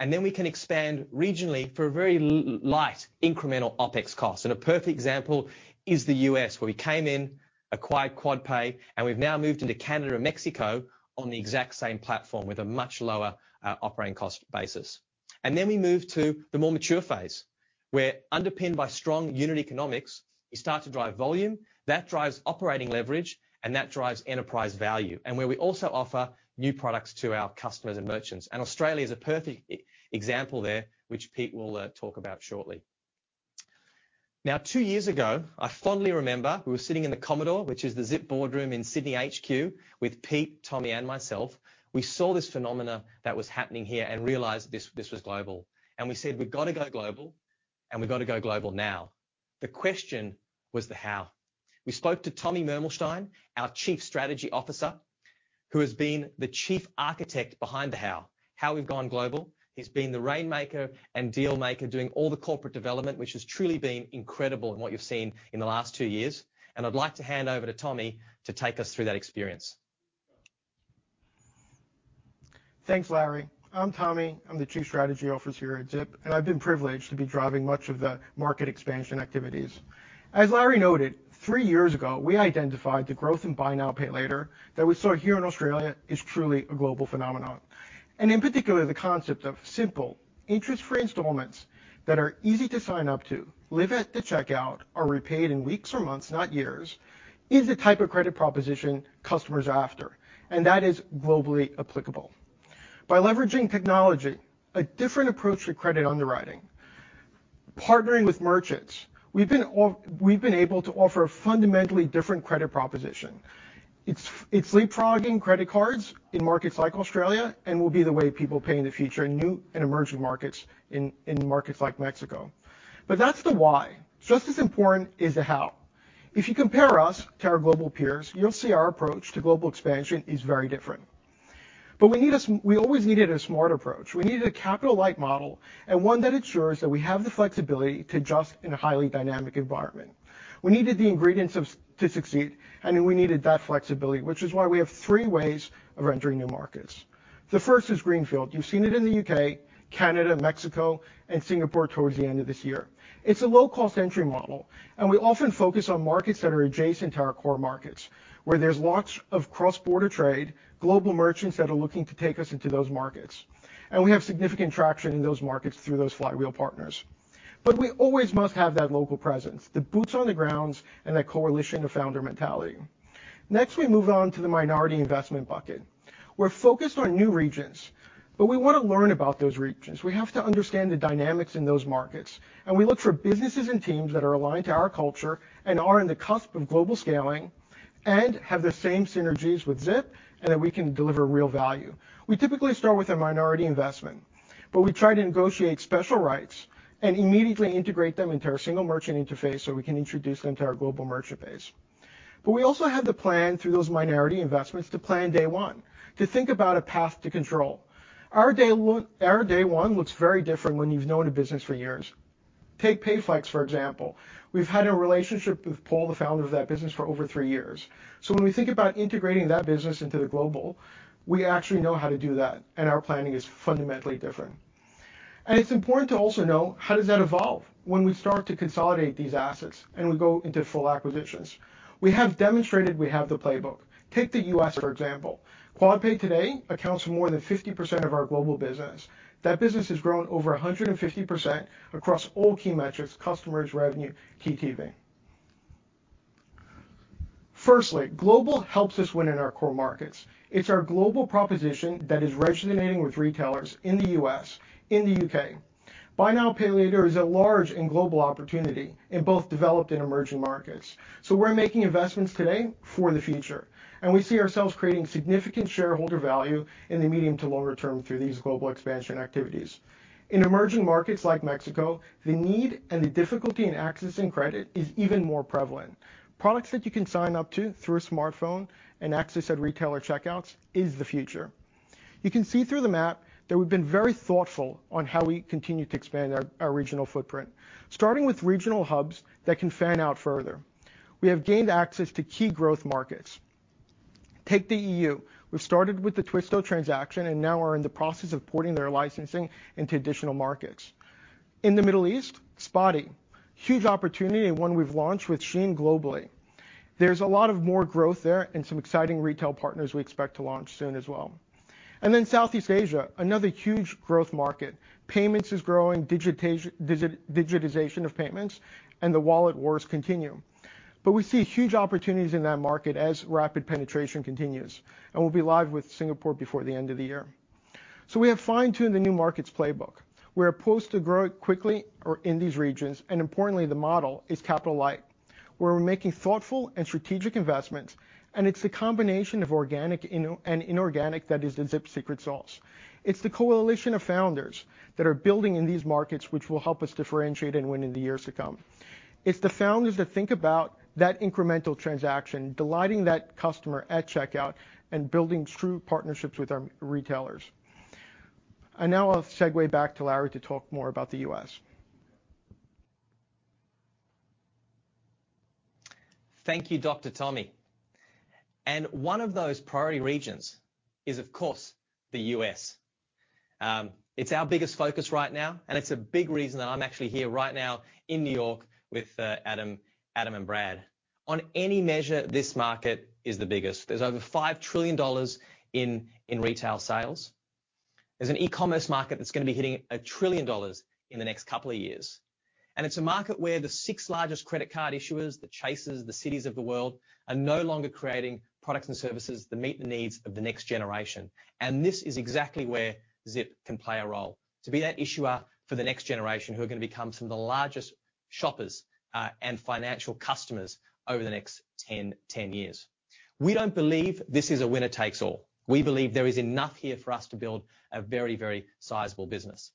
We can expand regionally for a very light incremental OPEX cost. A perfect example is the U.S., where we came in, acquired Quadpay, and we've now moved into Canada and Mexico on the exact same platform with a much lower operating cost basis. We move to the more mature phase, where underpinned by strong unit economics, we start to drive volume. That drives operating leverage, and that drives enterprise value, where we also offer new products to our customers and merchants. Australia is a perfect example there, which Pete will talk about shortly. Now, two years ago, I fondly remember we were sitting in the Commodore, which is the Zip boardroom in Sydney HQ, with Pete, Tommy, and myself. We saw this phenomena that was happening here and realized this was global. We said, "We've got to go global, and we've got to go global now." The question was the how. We spoke to Tommy Mermelshtayn, our Chief Strategy Officer, who has been the chief architect behind the how we've gone global. He's been the rainmaker and deal maker doing all the corporate development, which has truly been incredible in what you've seen in the last two years. I'd like to hand over to Tommy to take us through that experience. Thanks, Larry. I'm Tommy. I'm the Chief Strategy Officer here at Zip, and I've been privileged to be driving much of the market expansion activities. As Larry noted, 3 years ago, we identified the growth in buy now, pay later that we saw here in Australia is truly a global phenomenon. In particular, the concept of simple interest-free installments that are easy to sign up to, live at the checkout, are repaid in weeks or months, not years, is the type of credit proposition customers are after, and that is globally applicable. By leveraging technology, a different approach to credit underwriting, partnering with merchants, we've been able to offer a fundamentally different credit proposition. It's leapfrogging credit cards in markets like Australia and will be the way people pay in the future in new and emerging markets, in markets like Mexico. That's the why. Just as important is the how. If you compare us to our global peers, you'll see our approach to global expansion is very different. We always needed a smart approach. We needed a capital-light model and one that ensures that we have the flexibility to adjust in a highly dynamic environment. We needed the ingredients to succeed, and we needed that flexibility, which is why we have three ways of entering new markets. The first is greenfield. You've seen it in the U.K., Canada, Mexico, and Singapore towards the end of this year. It's a low-cost entry model, and we often focus on markets that are adjacent to our core markets, where there's lots of cross-border trade, global merchants that are looking to take us into those markets. We have significant traction in those markets through those flywheel partners. We always must have that local presence, the boots on the grounds, and that Coalition of Founders mentality. Next, we move on to the minority investment bucket. We're focused on new regions, but we want to learn about those regions. We have to understand the dynamics in those markets, and we look for businesses and teams that are aligned to our culture and are on the cusp of global scaling and have the same synergies with Zip and that we can deliver real value. We typically start with a minority investment, but we try to negotiate special rights and immediately integrate them into our single merchant interface so we can introduce them to our global merchant base. We also have the plan through those minority investments to plan day one, to think about a path to control. Our day one looks very different when you've known a business for years. Take Payflex, for example. We've had a relationship with Paul, the founder of that business, for over three years. When we think about integrating that business into the global, we actually know how to do that, and our planning is fundamentally different. It's important to also know how does that evolve when we start to consolidate these assets, and we go into full acquisitions. We have demonstrated we have the playbook. Take the U.S., for example. Quadpay today accounts for more than 50% of our global business. That business has grown over 150% across all key metrics, customers, revenue, TTV. Firstly, global helps us win in our core markets. It's our global proposition that is resonating with retailers in the U.S., in the U.K. Buy now, pay later is a large and global opportunity in both developed and emerging markets. We're making investments today for the future, and we see ourselves creating significant shareholder value in the medium to longer term through these global expansion activities. In emerging markets like Mexico, the need and the difficulty in accessing credit is even more prevalent. Products that you can sign up to through a smartphone and access at retailer checkouts is the future. You can see through the map that we've been very thoughtful on how we continue to expand our regional footprint, starting with regional hubs that can fan out further. We have gained access to key growth markets. Take the EU. We've started with the Twisto transaction and now are in the process of porting their licensing into additional markets. In the Middle East, Spotii, huge opportunity and one we've launched with Shein globally. There's a lot of more growth there and some exciting retail partners we expect to launch soon as well. Southeast Asia, another huge growth market. Payments is growing, digitization of payments, and the wallet wars continue. We see huge opportunities in that market as rapid penetration continues, and we'll be live with Singapore before the end of the year. We have fine-tuned the new markets playbook. We're poised to grow quickly in these regions, and importantly, the model is capital light, where we're making thoughtful and strategic investments, and it's the combination of organic and inorganic that is the Zip secret sauce. It's the Coalition of Founders that are building in these markets, which will help us differentiate and win in the years to come. It's the founders that think about that incremental transaction, delighting that customer at checkout, and building true partnerships with our retailers. Now I'll segue back to Larry to talk more about the U.S. Thank you, Dr. Tommy. One of those priority regions is, of course, the U.S. It's our biggest focus right now, and it's a big reason that I'm actually here right now in N.Y. with Adam and Brad. On any measure, this market is the biggest. There's over $5 trillion in retail sales. There's an e-commerce market that's going to be hitting $1 trillion in the next couple of years. It's a market where the 6 largest credit card issuers, the Chases, the Citis of the world, are no longer creating products and services that meet the needs of the next generation. This is exactly where Zip can play a role, to be that issuer for the next generation who are going to become some of the largest shoppers and financial customers over the next 10 years. We don't believe this is a winner takes all. We believe there is enough here for us to build a very, very sizable business.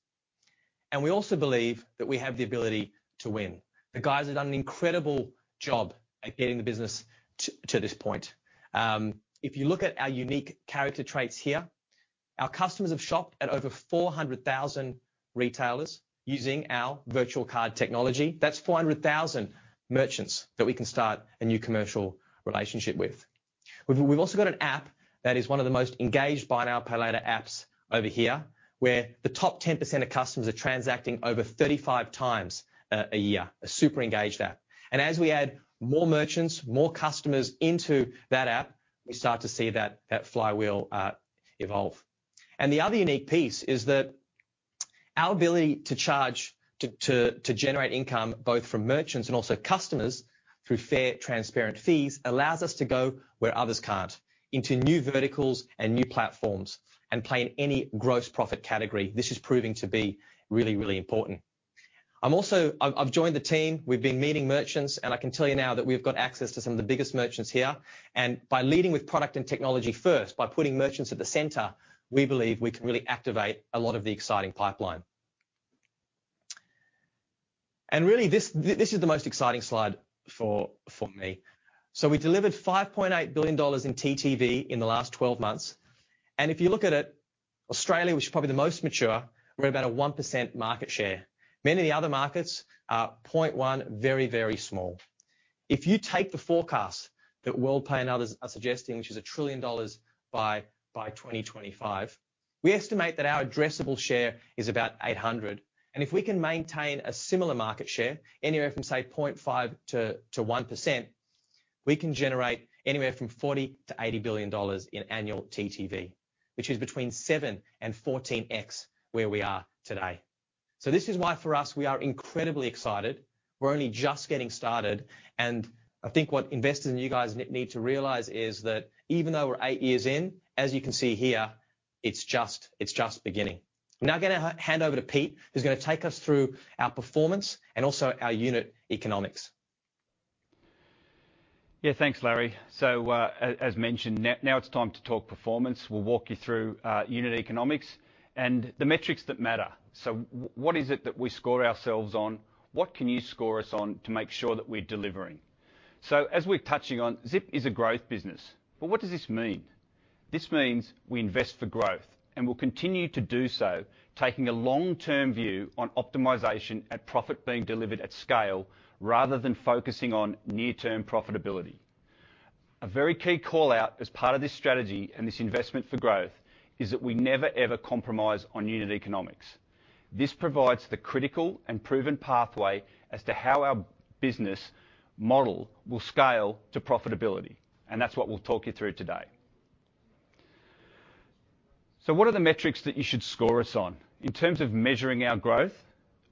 We also believe that we have the ability to win. The guys have done an incredible job at getting the business to this point. If you look at our unique character traits here, our customers have shopped at over 400,000 retailers using our virtual card technology. That's 400,000 merchants that we can start a new commercial relationship with. We've also got an app that is one of the most engaged buy now, pay later apps over here, where the top 10% of customers are transacting over 35 times a year, a super engaged app. As we add more merchants, more customers into that app, we start to see that flywheel evolve. The other unique piece is that our ability to charge, to generate income, both from merchants and also customers through fair, transparent fees, allows us to go where others can't, into new verticals and new platforms and play in any gross profit category. This is proving to be really, really important. I've joined the team. We've been meeting merchants, I can tell you now that we've got access to some of the biggest merchants here. By leading with product and technology first, by putting merchants at the center, we believe we can really activate a lot of the exciting pipeline. Really, this is the most exciting slide for me. We delivered 5.8 billion dollars in TTV in the last 12 months. If you look at it, Australia, which is probably the most mature, we're about a 1% market share. Many of the other markets are 0.1, very, very small. If you take the forecast that Worldpay and others are suggesting, which is a 1 trillion dollars by 2025, we estimate that our addressable share is about 800 billion. If we can maintain a similar market share, anywhere from, say, 0.5%-1%, we can generate anywhere from 40 billion-80 billion dollars in annual TTV, which is between 7x and 14x where we are today. This is why, for us, we are incredibly excited. We're only just getting started. I think what investors and you guys need to realize is that even though we're eight years in, as you can see here, it's just beginning. I'm now going to hand over to Pete, who's going to take us through our performance and also our unit economics. Thanks, Larry. As mentioned, now it's time to talk performance. We will walk you through unit economics and the metrics that matter. What is it that we score ourselves on? What can you score us on to make sure that we are delivering? As we are touching on, Zip is a growth business. What does this mean? This means we invest for growth and will continue to do so, taking a long-term view on optimization and profit being delivered at scale rather than focusing on near-term profitability. A very key call-out as part of this strategy and this investment for growth is that we never, ever compromise on unit economics. This provides the critical and proven pathway as to how our business model will scale to profitability, and that is what we will talk you through today. What are the metrics that you should score us on? In terms of measuring our growth,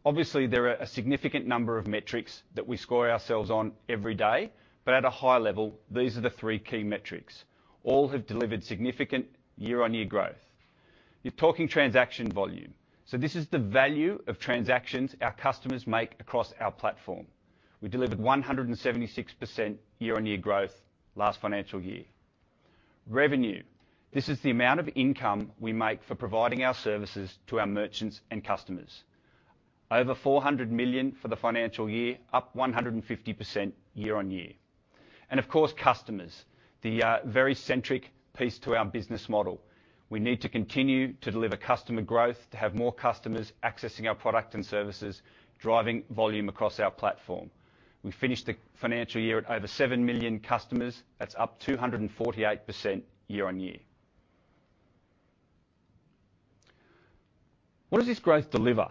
obviously, there are a significant number of metrics that we score ourselves on every day. At a high level, these are the 3 key metrics. All have delivered significant year-on-year growth. You're talking transaction volume. This is the value of transactions our customers make across our platform. We delivered 176% year-on-year growth last financial year. Revenue. This is the amount of income we make for providing our services to our merchants and customers. Over 400 million for the financial year, up 150% year-on-year. Of course, customers, the very centric piece to our business model. We need to continue to deliver customer growth to have more customers accessing our product and services, driving volume across our platform. We finished the financial year at over 7 million customers. That's up 248% year-on-year. What does this growth deliver?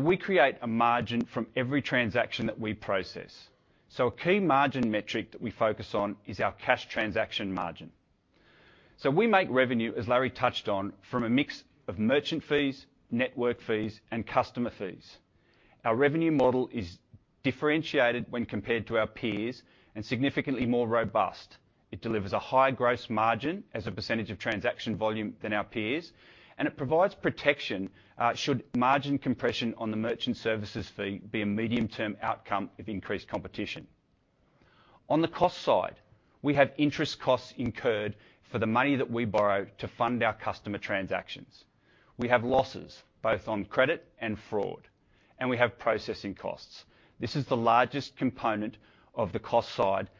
We create a margin from every transaction that we process. A key margin metric that we focus on is our cash transaction margin. We make revenue, as Larry touched on, from a mix of merchant fees, network fees, and customer fees. Our revenue model is differentiated when compared to our peers and significantly more robust. It delivers a higher gross margin as a percentage of transaction volume than our peers, and it provides protection should margin compression on the merchant services fee be a medium-term outcome of increased competition. On the cost side, we have interest costs incurred for the money that we borrow to fund our customer transactions. We have losses, both on credit and fraud, and we have processing costs. This is the largest component of the cost side,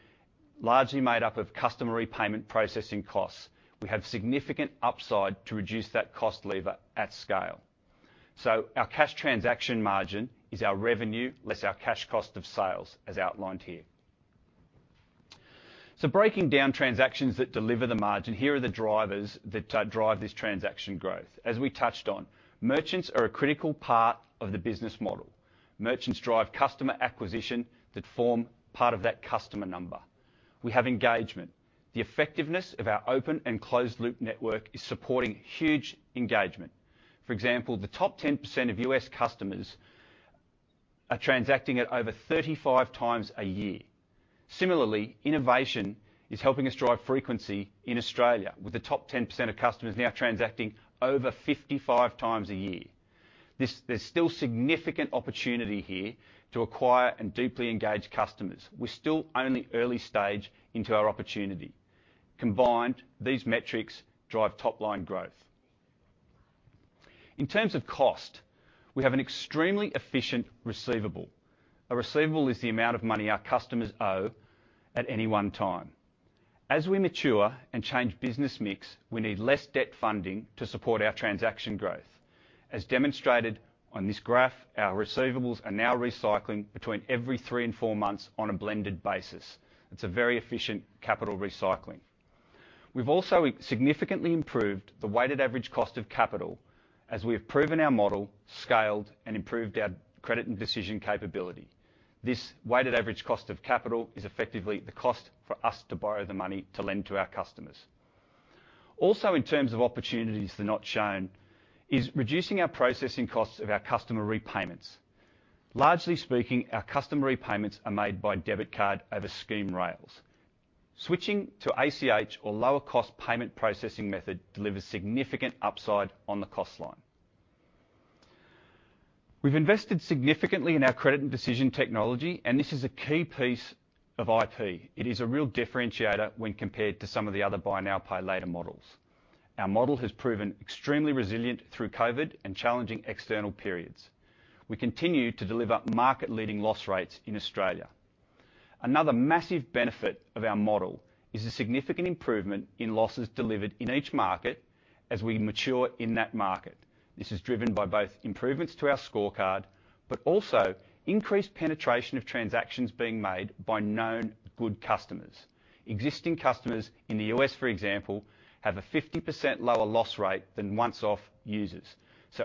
largely made up of customer repayment processing costs. We have significant upside to reduce that cost lever at scale. Our cash transaction margin is our revenue less our cash cost of sales, as outlined here. Breaking down transactions that deliver the margin, here are the drivers that drive this transaction growth. As we touched on, merchants are a critical part of the business model. Merchants drive customer acquisition that form part of that customer number. We have engagement. The effectiveness of our open and closed-loop network is supporting huge engagement. For example, the top 10% of U.S. customers are transacting at over 35 times a year. Similarly, innovation is helping us drive frequency in Australia, with the top 10% of customers now transacting over 55 times a year. There's still significant opportunity here to acquire and deeply engage customers. We're still only early stage into our opportunity. Combined, these metrics drive top-line growth. In terms of cost, we have an extremely efficient receivable. A receivable is the amount of money our customers owe at any one time. As we mature and change business mix, we need less debt funding to support our transaction growth. As demonstrated on this graph, our receivables are now recycling between every three and four months on a blended basis. It's a very efficient capital recycling. We've also significantly improved the weighted average cost of capital as we have proven our model, scaled, and improved our credit and decision capability. This weighted average cost of capital is effectively the cost for us to borrow the money to lend to our customers. Also, in terms of opportunities that are not shown is reducing our processing costs of our customer repayments. Largely speaking, our customer repayments are made by debit card over scheme rails. Switching to ACH or lower cost payment processing method delivers significant upside on the cost line. We've invested significantly in our credit and decision technology, and this is a key piece of IP. It is a real differentiator when compared to some of the other buy now, pay later models. Our model has proven extremely resilient through COVID and challenging external periods. We continue to deliver market-leading loss rates in Australia. Another massive benefit of our model is the significant improvement in losses delivered in each market as we mature in that market. This is driven by both improvements to our scorecard, but also increased penetration of transactions being made by known good customers. Existing customers in the U.S., for example, have a 50% lower loss rate than one-off users.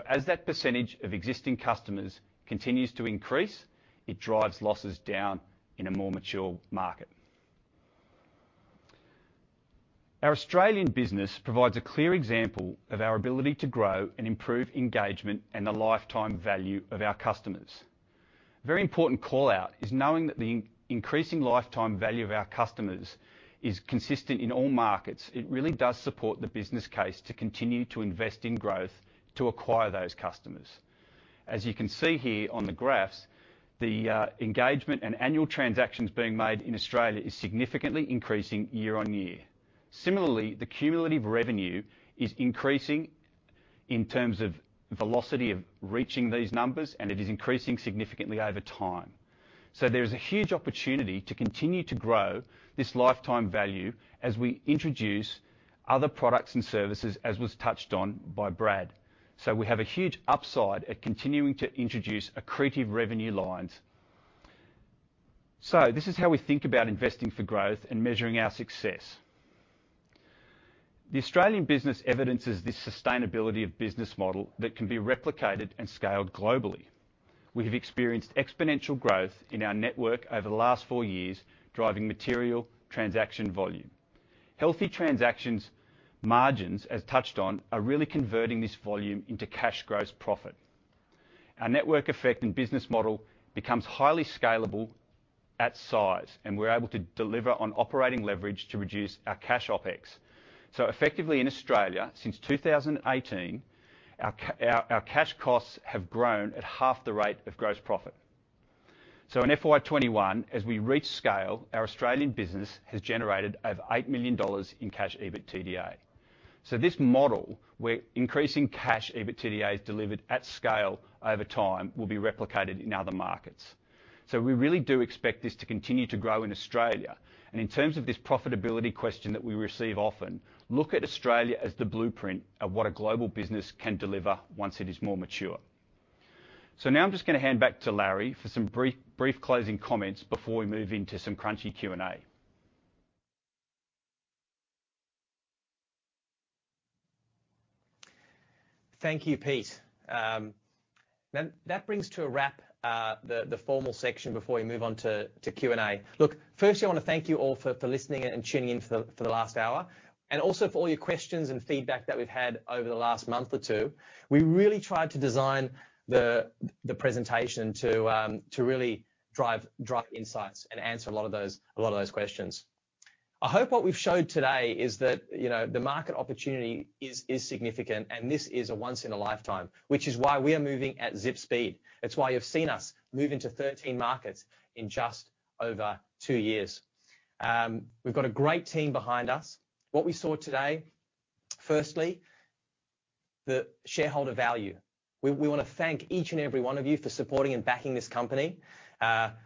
As that percentage of existing customers continues to increase, it drives losses down in a more mature market. Our Australian business provides a clear example of our ability to grow and improve engagement and the lifetime value of our customers. Very important call-out is knowing that the increasing lifetime value of our customers is consistent in all markets. It really does support the business case to continue to invest in growth to acquire those customers. As you can see here on the graphs, the engagement and annual transactions being made in Australia is significantly increasing year on year. Similarly, the cumulative revenue is increasing in terms of velocity of reaching these numbers, and it is increasing significantly over time. There is a huge opportunity to continue to grow this lifetime value as we introduce other products and services, as was touched on by Brad Lindenberg. We have a huge upside at continuing to introduce accretive revenue lines. This is how we think about investing for growth and measuring our success. The Australian business evidences this sustainability of business model that can be replicated and scaled globally. We have experienced exponential growth in our network over the last four years, driving material transaction volume. Healthy transactions margins, as touched on, are really converting this volume into cash gross profit. Our network effect and business model becomes highly scalable at size, and we're able to deliver on operating leverage to reduce our cash OpEx. Effectively in Australia, since 2018, our cash costs have grown at half the rate of gross profit. In FY 2021, as we reach scale, our Australian business has generated over 8 million dollars in cash EBITDA. This model, where increasing cash EBITDA is delivered at scale over time, will be replicated in other markets. We really do expect this to continue to grow in Australia. In terms of this profitability question that we receive often, look at Australia as the blueprint of what a global business can deliver once it is more mature. Now I'm just going to hand back to Larry for some brief closing comments before we move into some crunchy Q&A. Thank you, Pete. That brings to a wrap the formal section before we move on to Q&A. Look, firstly, I want to thank you all for listening and tuning in for the last hour, and also for all your questions and feedback that we've had over the last month or two. We really tried to design the presentation to really drive insights and answer a lot of those questions. I hope what we've showed today is that the market opportunity is significant and this is a once in a lifetime, which is why we are moving at Zip speed. It's why you've seen us move into 13 markets in just over two years. We've got a great team behind us. What we saw today, firstly, the shareholder value. We want to thank each and every one of you for supporting and backing this company.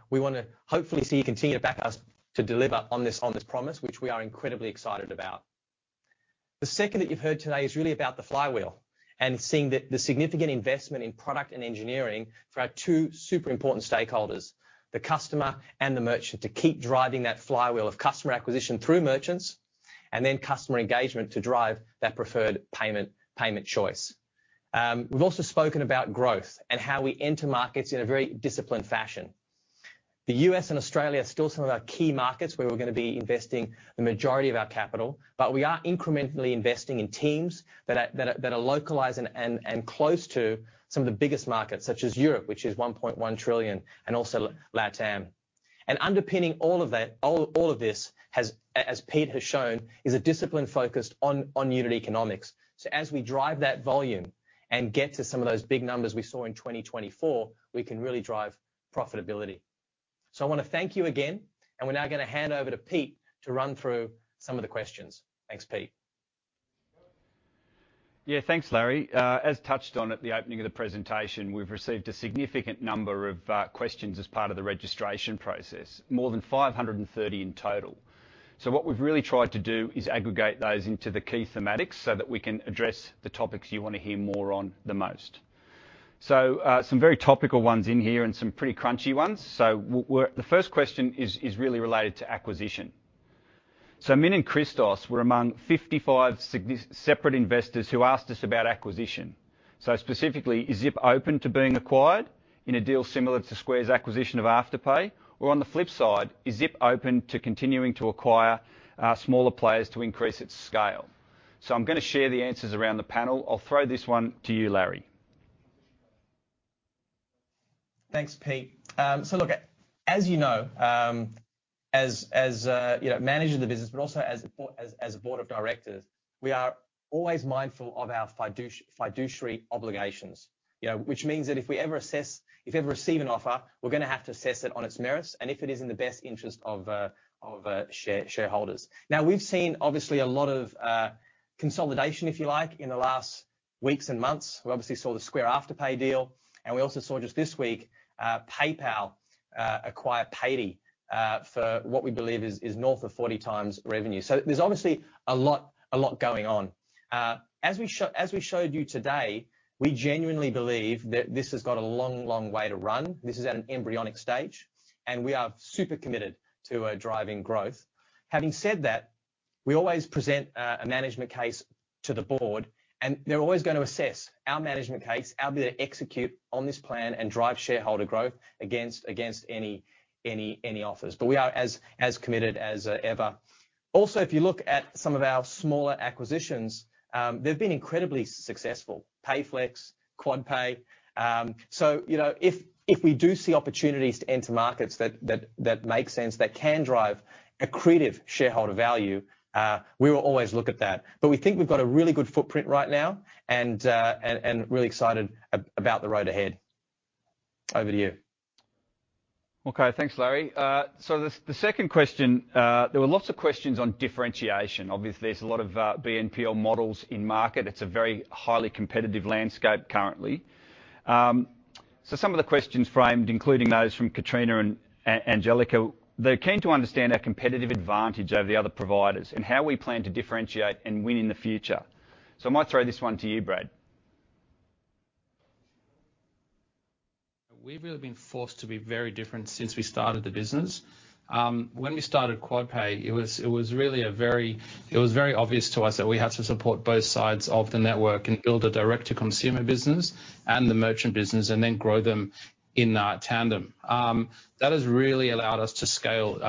We want to hopefully see you continue to back us to deliver on this promise, which we are incredibly excited about. The second that you've heard today is really about the flywheel and seeing that the significant investment in product and engineering for our two super important stakeholders, the customer and the merchant, to keep driving that flywheel of customer acquisition through merchants, and then customer engagement to drive that preferred payment choice. We've also spoken about growth and how we enter markets in a very disciplined fashion. The U.S. and Australia are still some of our key markets where we're going to be investing the majority of our capital, but we are incrementally investing in teams that are localized and close to some of the biggest markets, such as Europe, which is 1.1 trillion, and also LATAM. Underpinning all of this, as Pete has shown, is a discipline focused on unit economics. As we drive that volume and get to some of those big numbers we saw in 2024, we can really drive profitability. I want to thank you again, and we're now going to hand over to Pete to run through some of the questions. Thanks, Pete. Yeah. Thanks, Larry. As touched on at the opening of the presentation, we've received a significant number of questions as part of the registration process, more than 530 in total. What we've really tried to do is aggregate those into the key thematics so that we can address the topics you want to hear more on the most. Some very topical ones in here and some pretty crunchy ones. The first question is really related to acquisition. Min and Christos were among 55 separate investors who asked us about acquisition. Specifically, is Zip open to being acquired in a deal similar to Square's acquisition of Afterpay? Or on the flip side, is Zip open to continuing to acquire smaller players to increase its scale? I'm going to share the answers around the panel. I'll throw this one to you, Larry. Thanks, Pete. Look, as you know, as manager of the business but also as a board of directors, we are always mindful of our fiduciary obligations, which means that if we ever receive an offer, we're going to have to assess it on its merits and if it is in the best interest of shareholders. We've seen obviously a lot of consolidation, if you like, in the last weeks and months. We obviously saw the Square Afterpay deal. We also saw just this week PayPal acquire Paidy for what we believe is north of 40 times revenue. There's obviously a lot going on. As we showed you today, we genuinely believe that this has got a long way to run. This is at an embryonic stage. We are super committed to driving growth. Having said that, we always present a management case to the board, and they're always going to assess our management case, our ability to execute on this plan and drive shareholder growth against any offers. We are as committed as ever. Also, if you look at some of our smaller acquisitions, they've been incredibly successful. Payflex, Quadpay. If we do see opportunities to enter markets that make sense, that can drive accretive shareholder value, we will always look at that. We think we've got a really good footprint right now and really excited about the road ahead. Over to you. Okay. Thanks, Larry. The second question, there were lots of questions on differentiation. Obviously, there's a lot of BNPL models in market. It's a very highly competitive landscape currently. Some of the questions framed, including those from Katrina and Angelica, they're keen to understand our competitive advantage over the other providers and how we plan to differentiate and win in the future. I might throw this one to you, Brad. We've really been forced to be very different since we started the business. When we started Quadpay, it was very obvious to us that we had to support both sides of the network and build a direct-to-consumer business and the merchant business, grow them in tandem. That has really allowed us to scale.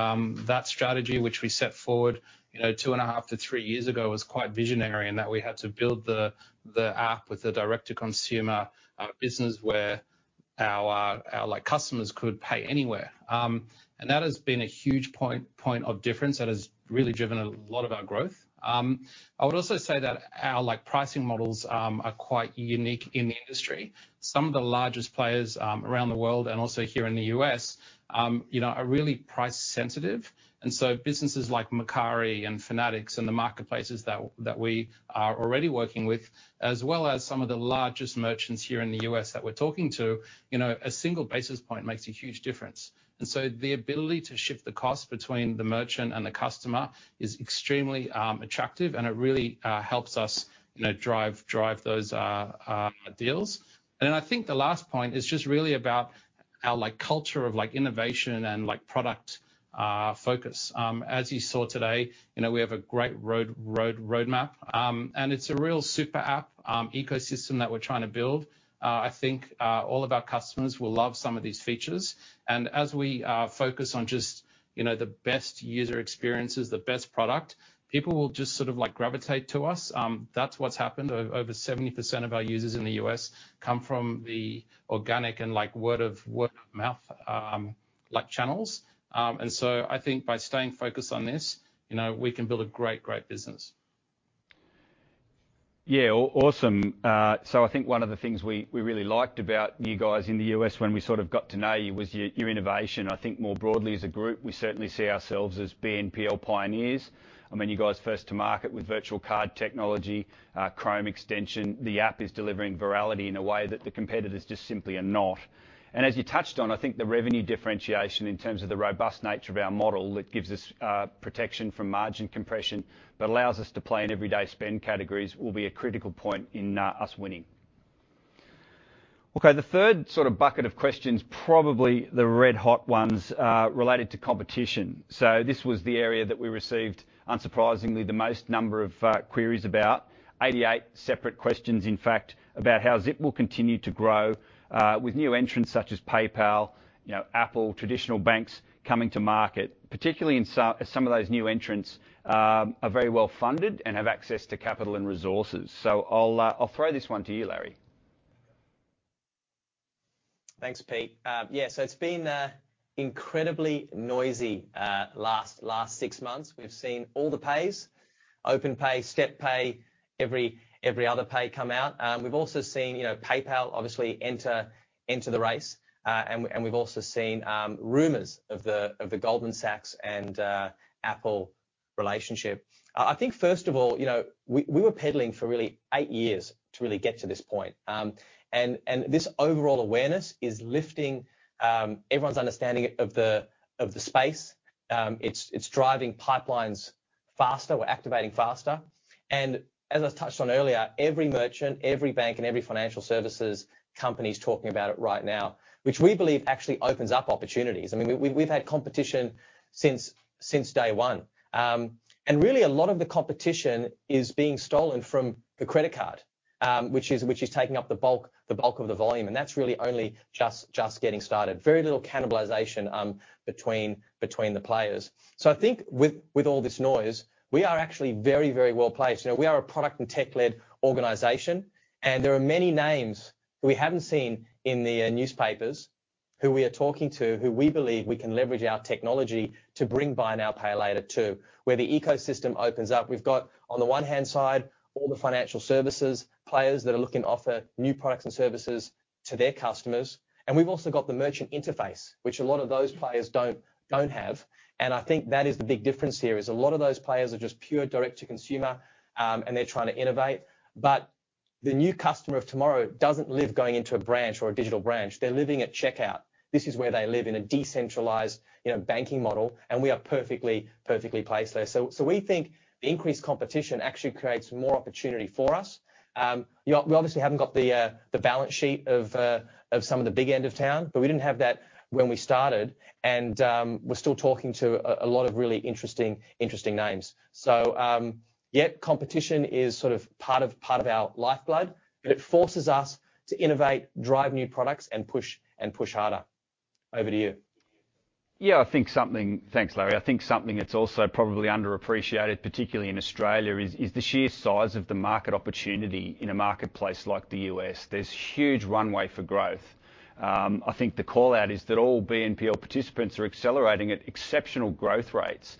That strategy, which we set forward two and a half to three years ago, was quite visionary in that we had to build the app with the direct-to-consumer business where our customers could pay anywhere. That has been a huge point of difference that has really driven a lot of our growth. I would also say that our pricing models are quite unique in the industry. Some of the largest players around the world, and also here in the U.S., are really price sensitive. Businesses like Mercari and Fanatics and the marketplaces that we are already working with, as well as some of the largest merchants here in the U.S. that we're talking to, a single basis point makes a huge difference. The ability to shift the cost between the merchant and the customer is extremely attractive, and it really helps us drive those deals. I think the last point is just really about our culture of innovation and product focus. As you saw today, we have a great roadmap. It's a real super app ecosystem that we're trying to build. I think all of our customers will love some of these features. As we focus on just the best user experiences, the best product, people will just gravitate to us. That's what's happened. Over 70% of our users in the U.S. come from the organic and word-of-mouth channels. I think by staying focused on this, we can build a great business. Awesome. I think one of the things we really liked about you guys in the U.S. when we got to know you was your innovation. I think more broadly as a group, we certainly see ourselves as BNPL pioneers. You guys first to market with virtual card technology, Chrome extension. The app is delivering virality in a way that the competitors just simply are not. As you touched on, I think the revenue differentiation in terms of the robust nature of our model, it gives us protection from margin compression, allows us to play in everyday spend categories will be a critical point in us winning. The third bucket of questions, probably the red hot ones, related to competition. This was the area that we received, unsurprisingly, the most number of queries about. 88 separate questions, in fact, about how Zip will continue to grow, with new entrants such as PayPal, Apple, traditional banks coming to market. Particularly some of those new entrants are very well-funded and have access to capital and resources. I'll throw this one to you, Larry. Thanks, Pete. It's been incredibly noisy last 6 months. We've seen all the pays, Openpay, StepPay, every other pay come out. We've also seen PayPal obviously enter the race. We've also seen rumors of the Goldman Sachs and Apple relationship. I think first of all, we were peddling for really 8 years to really get to this point. This overall awareness is lifting everyone's understanding of the space. It's driving pipelines faster. We're activating faster. As I touched on earlier, every merchant, every bank, and every financial services company's talking about it right now, which we believe actually opens up opportunities. We've had competition since day 1. Really a lot of the competition is being stolen from the credit card, which is taking up the bulk of the volume, and that's really only just getting started. Very little cannibalization between the players. I think with all this noise, we are actually very well-placed. We are a product and tech-led organization, and there are many names who we haven't seen in the newspapers who we are talking to, who we believe we can leverage our technology to bring buy now, pay later to, where the ecosystem opens up. We've got, on the one-hand side, all the financial services players that are looking to offer new products and services to their customers. We've also got the merchant interface, which a lot of those players don't have. I think that is the big difference here, is a lot of those players are just pure direct to consumer, and they're trying to innovate. The new customer of tomorrow doesn't live going into a branch or a digital branch. They're living at checkout. This is where they live in a decentralized banking model, and we are perfectly placed there. We think the increased competition actually creates more opportunity for us. We obviously haven't got the balance sheet of some of the big end of town, but we didn't have that when we started, and we're still talking to a lot of really interesting names. Yeah, competition is part of our lifeblood, but it forces us to innovate, drive new products, and push harder. Over to you. Yeah, thanks, Larry. I think something that's also probably underappreciated, particularly in Australia, is the sheer size of the market opportunity in a marketplace like the U.S. There's huge runway for growth. I think the call-out is that all BNPL participants are accelerating at exceptional growth rates.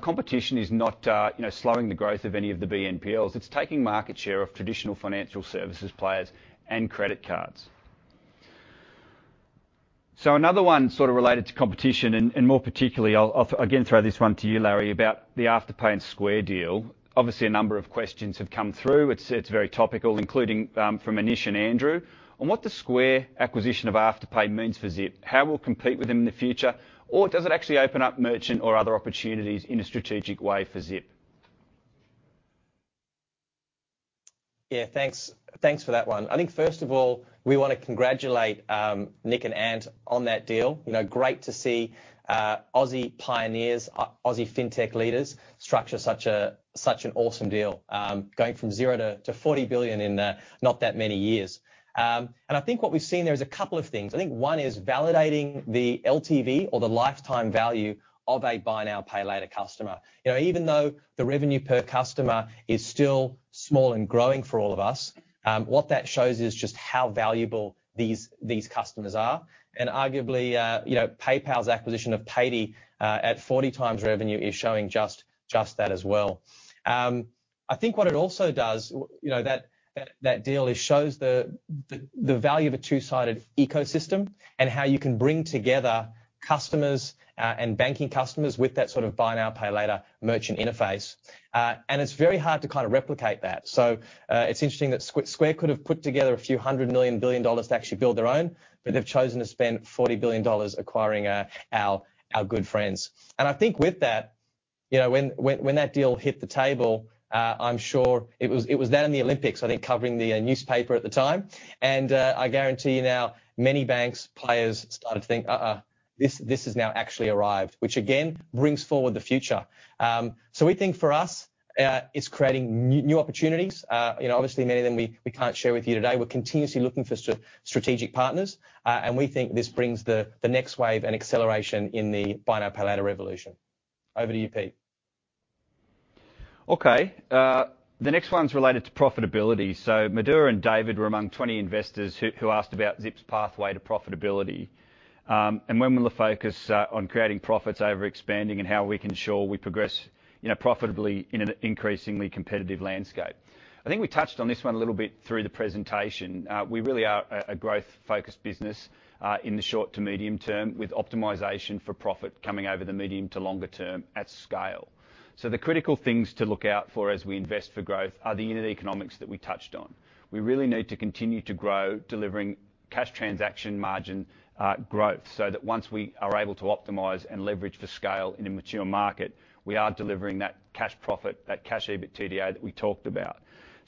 Competition is not slowing the growth of any of the BNPLs. It's taking market share of traditional financial services players and credit cards. Another one sort of related to competition and more particularly, I'll again throw this one to you, Larry, about the Afterpay and Square deal. Obviously, a number of questions have come through. It's very topical, including from Anish and Andrew, on what the Square acquisition of Afterpay means for Zip, how we'll compete with them in the future, or does it actually open up merchant or other opportunities in a strategic way for Zip? Yeah, thanks for that one. I think, first of all, we want to congratulate Nick and Ant on that deal. Great to see Aussie pioneers, Aussie fintech leaders structure such an awesome deal, going from zero to 40 billion in not that many years. I think what we've seen there is a couple of things. I think one is validating the LTV or the lifetime value of a buy now, pay later customer. Even though the revenue per customer is still small and growing for all of us, what that shows is just how valuable these customers are. Arguably, PayPal's acquisition of Paidy at 40 times revenue is showing just that as well. I think what it also does, that deal, it shows the value of a two-sided ecosystem and how you can bring together customers and banking customers with that sort of buy now, pay later merchant interface. It's very hard to replicate that. It's interesting that Square could have put together a few hundred billion to actually build their own, but they've chosen to spend 40 billion dollars acquiring our good friends. I think with that, when that deal hit the table, I'm sure it was that and the Olympics I think covering the newspaper at the time, and I guarantee you now many banks, players started to think, uh-uh, this has now actually arrived. Which again, brings forward the future. We think for us, it's creating new opportunities. Obviously, many of them we can't share with you today. We're continuously looking for strategic partners. We think this brings the next wave and acceleration in the buy now, pay later revolution. Over to you, Pete. The next one's related to profitability. Madura and David were among 20 investors who asked about Zip's pathway to profitability, and when will the focus on creating profits over expanding and how we can ensure we progress profitably in an increasingly competitive landscape. I think we touched on this one a little bit through the presentation. We really are a growth-focused business, in the short to medium term, with optimization for profit coming over the medium to longer term at scale. The critical things to look out for as we invest for growth are the unit economics that we touched on. We really need to continue to grow, delivering cash transaction margin growth so that once we are able to optimize and leverage for scale in a mature market, we are delivering that cash profit, that cash EBITDA that we talked about.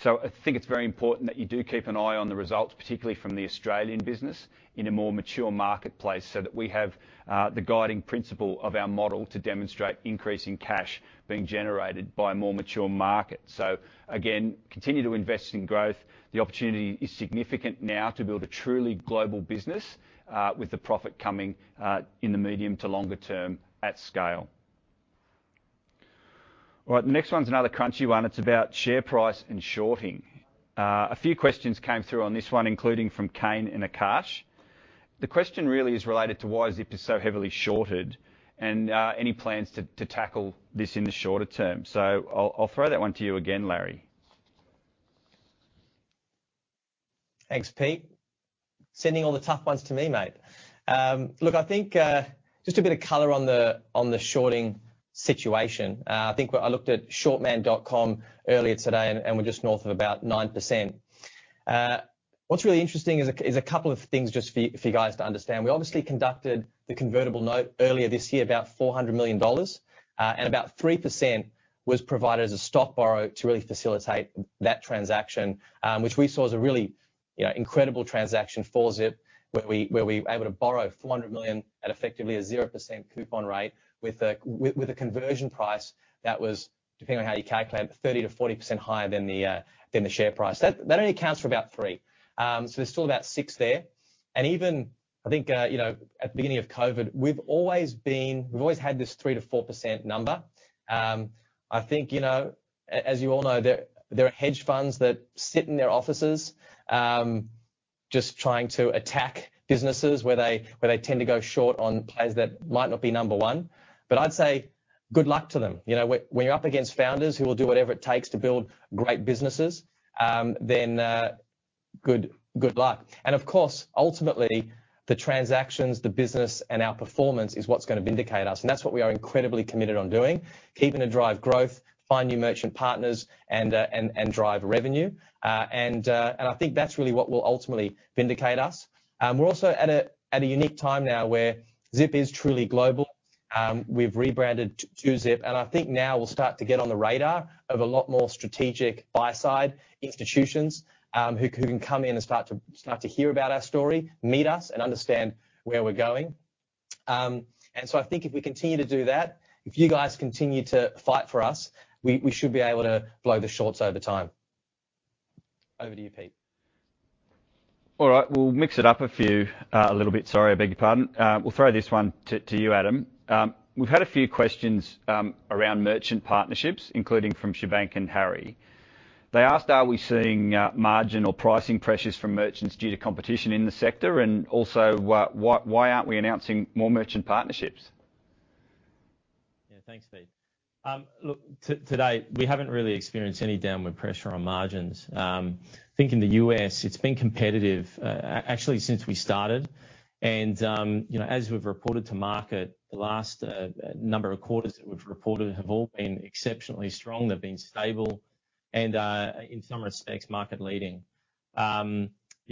I think it's very important that you do keep an eye on the results, particularly from the Australian business, in a more mature marketplace, so that we have the guiding principle of our model to demonstrate increasing cash being generated by a more mature market. Again, continue to invest in growth. The opportunity is significant now to build a truly global business, with the profit coming in the medium to longer term at scale. All right. The next one's another crunchy one. It's about share price and shorting. A few questions came through on this one, including from Kane and Akash. The question really is related to why Zip is so heavily shorted and any plans to tackle this in the shorter term. I'll throw that one to you again, Larry. Thanks, Pete. Sending all the tough ones to me, mate. Just a bit of color on the shorting situation. I looked at shortman.com earlier today. We're just north of about 9%. What's really interesting is a couple of things just for you guys to understand. We obviously conducted the convertible note earlier this year, about 400 million dollars, and about 3% was provided as a stock borrow to really facilitate that transaction. Which we saw as a really incredible transaction for Zip, where we were able to borrow 400 million at effectively a 0% coupon rate with a conversion price that was, depending on how you calculate it, but 30%-40% higher than the share price. That only accounts for about three. There's still about six there. Even I think, at the beginning of COVID, we've always had this 3%-4% number. I think, as you all know, there are hedge funds that sit in their offices, just trying to attack businesses where they tend to go short on players that might not be number one. I'd say good luck to them. When you're up against founders who will do whatever it takes to build great businesses, then. Good luck. Of course, ultimately, the transactions, the business, and our performance is what's going to vindicate us, and that's what we are incredibly committed on doing, keeping to drive growth, find new merchant partners, and drive revenue. I think that's really what will ultimately vindicate us. We're also at a unique time now where Zip is truly global. We've rebranded to Zip. I think now we'll start to get on the radar of a lot more strategic buy-side institutions, who can come in and start to hear about our story, meet us, and understand where we're going. I think if we continue to do that, if you guys continue to fight for us, we should be able to blow the shorts over time. Over to you, Pete. All right. We'll mix it up a little bit. Sorry, I beg your pardon. We'll throw this one to you, Adam. We've had a few questions around merchant partnerships, including from Shubhank and Harry. They asked, are we seeing margin or pricing pressures from merchants due to competition in the sector? Also, why aren't we announcing more merchant partnerships? Yeah, thanks, Pete. To date, we haven't really experienced any downward pressure on margins. I think in the U.S., it's been competitive actually since we started. As we've reported to market, the last number of quarters that we've reported have all been exceptionally strong. They've been stable and, in some respects, market leading.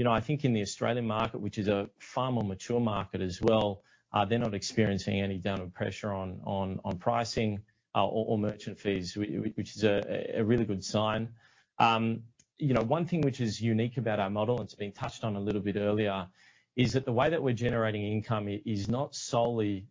I think in the Australian market, which is a far more mature market as well, they're not experiencing any downward pressure on pricing or merchant fees, which is a really good sign. One thing which is unique about our model, and it's been touched on a little bit earlier, is that the way that we're generating income is not solely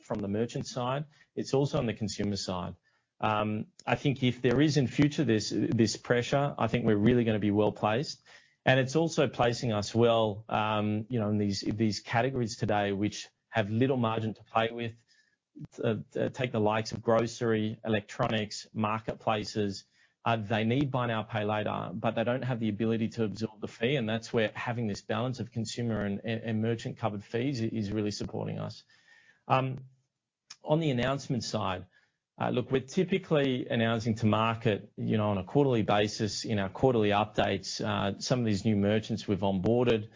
from the merchant side, it's also on the consumer side. I think if there is, in future, this pressure, I think we're really going to be well-placed. It's also placing us well in these categories today which have little margin to play with. Take the likes of grocery, electronics, marketplaces, they need buy now, pay later, but they don't have the ability to absorb the fee, and that's where having this balance of consumer and merchant-covered fees is really supporting us. On the announcement side, look, we're typically announcing to market on a quarterly basis in our quarterly updates some of these new merchants we've onboarded.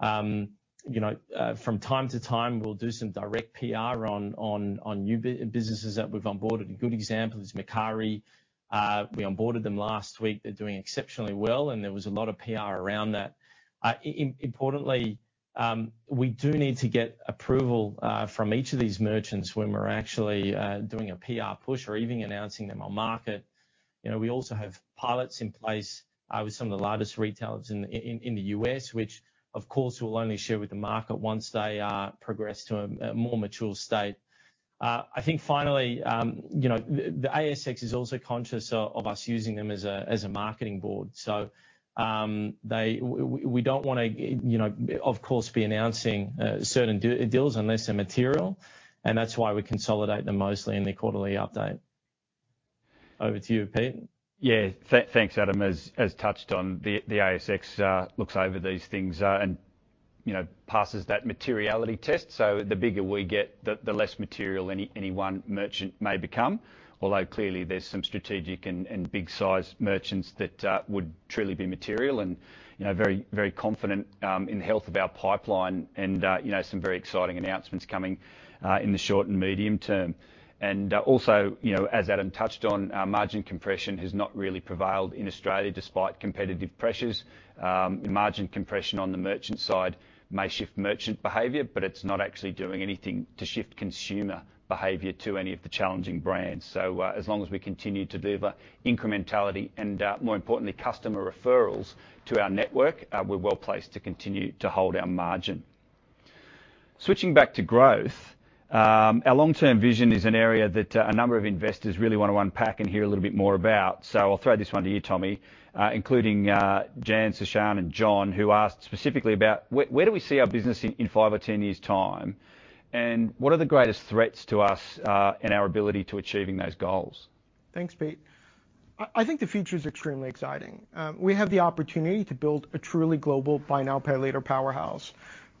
From time to time, we'll do some direct PR on new businesses that we've onboarded. A good example is Mercari. We onboarded them last week. They're doing exceptionally well, and there was a lot of PR around that. Importantly, we do need to get approval from each of these merchants when we're actually doing a PR push or even announcing them on market. We also have pilots in place with some of the largest retailers in the U.S., which, of course, we'll only share with the market once they are progressed to a more mature state. I think finally, the ASX is also conscious of us using them as a marketing board. We don't want to, of course, be announcing certain deals unless they're material, and that's why we consolidate them mostly in the quarterly update. Over to you, Pete. Yeah. Thanks, Adam. As touched on, the ASX looks over these things and passes that materiality test. The bigger we get, the less material any one merchant may become. Although, clearly, there is some strategic and big-sized merchants that would truly be material and very confident in the health of our pipeline and some very exciting announcements coming in the short and medium term. Also, as Adam touched on, margin compression has not really prevailed in Australia despite competitive pressures. Margin compression on the merchant side may shift merchant behavior, it is not actually doing anything to shift consumer behavior to any of the challenging brands. As long as we continue to deliver incrementality and, more importantly, customer referrals to our network, we are well-placed to continue to hold our margin. Switching back to growth, our long-term vision is an area that a number of investors really want to unpack and hear a little bit more about, so I'll throw this one to you, Tommy. Including Jan, Sashan, and John, who asked specifically about where do we see our business in five or 10 years' time, and what are the greatest threats to us in our ability to achieving those goals? Thanks, Pete. I think the future's extremely exciting. We have the opportunity to build a truly global buy now, pay later powerhouse.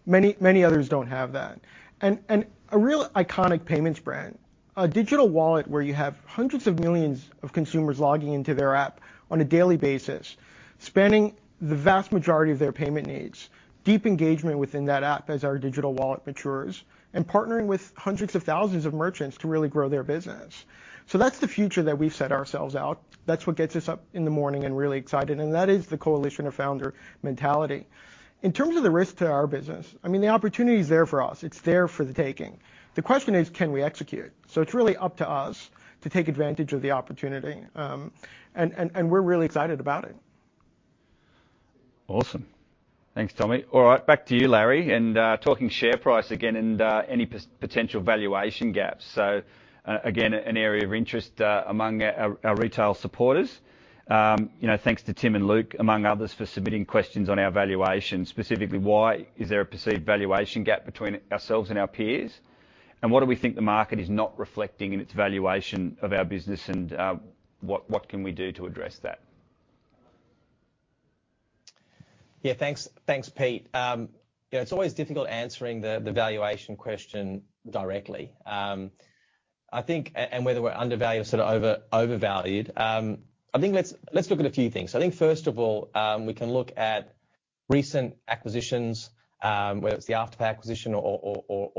Many others don't have that. A real iconic payments brand, a digital wallet where you have hundreds of millions of consumers logging into their app on a daily basis, spanning the vast majority of their payment needs, deep engagement within that app as our digital wallet matures, and partnering with hundreds of thousands of merchants to really grow their business. That's the future that we've set ourselves out. That's what gets us up in the morning and really excited, and that is the Coalition of Founders mentality. In terms of the risk to our business, I mean, the opportunity's there for us. It's there for the taking. The question is, can we execute? It's really up to us to take advantage of the opportunity, and we're really excited about it. Awesome. Thanks, Tommy. All right. Back to you, Larry, and talking share price again and any potential valuation gaps. Again, an area of interest among our retail supporters. Thanks to Tim and Luke, among others, for submitting questions on our valuation, specifically, why is there a perceived valuation gap between ourselves and our peers? What do we think the market is not reflecting in its valuation of our business, and what can we do to address that? Yeah. Thanks, Pete. Yeah, it's always difficult answering the valuation question directly. I think, and whether we're undervalued or overvalued, I think let's look at a few things. I think first of all, we can look at recent acquisitions, whether it's the Afterpay acquisition or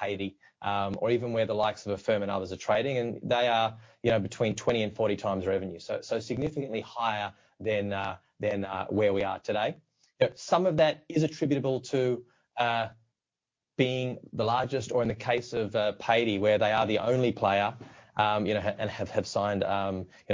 Paidy, or even where the likes of Affirm and others are trading, and they are between 20 and 40 times revenue. Significantly higher than where we are today. Some of that is attributable to being the largest, or in the case of Paidy, where they are the only player, and have signed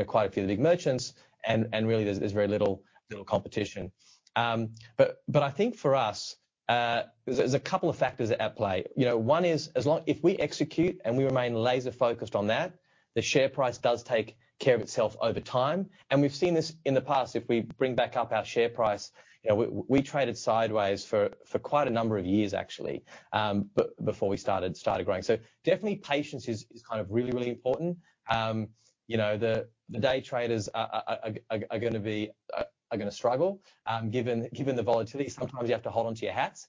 quite a few of the big merchants, and really there's very little competition. I think for us, there's a couple of factors at play. One is, if we execute and we remain laser-focused on that, the share price does take care of itself over time. We've seen this in the past, if we bring back up our share price, we traded sideways for quite a number of years, actually, before we started growing. Definitely patience is really important. The day traders are going to struggle. Given the volatility, sometimes you have to hold onto your hats.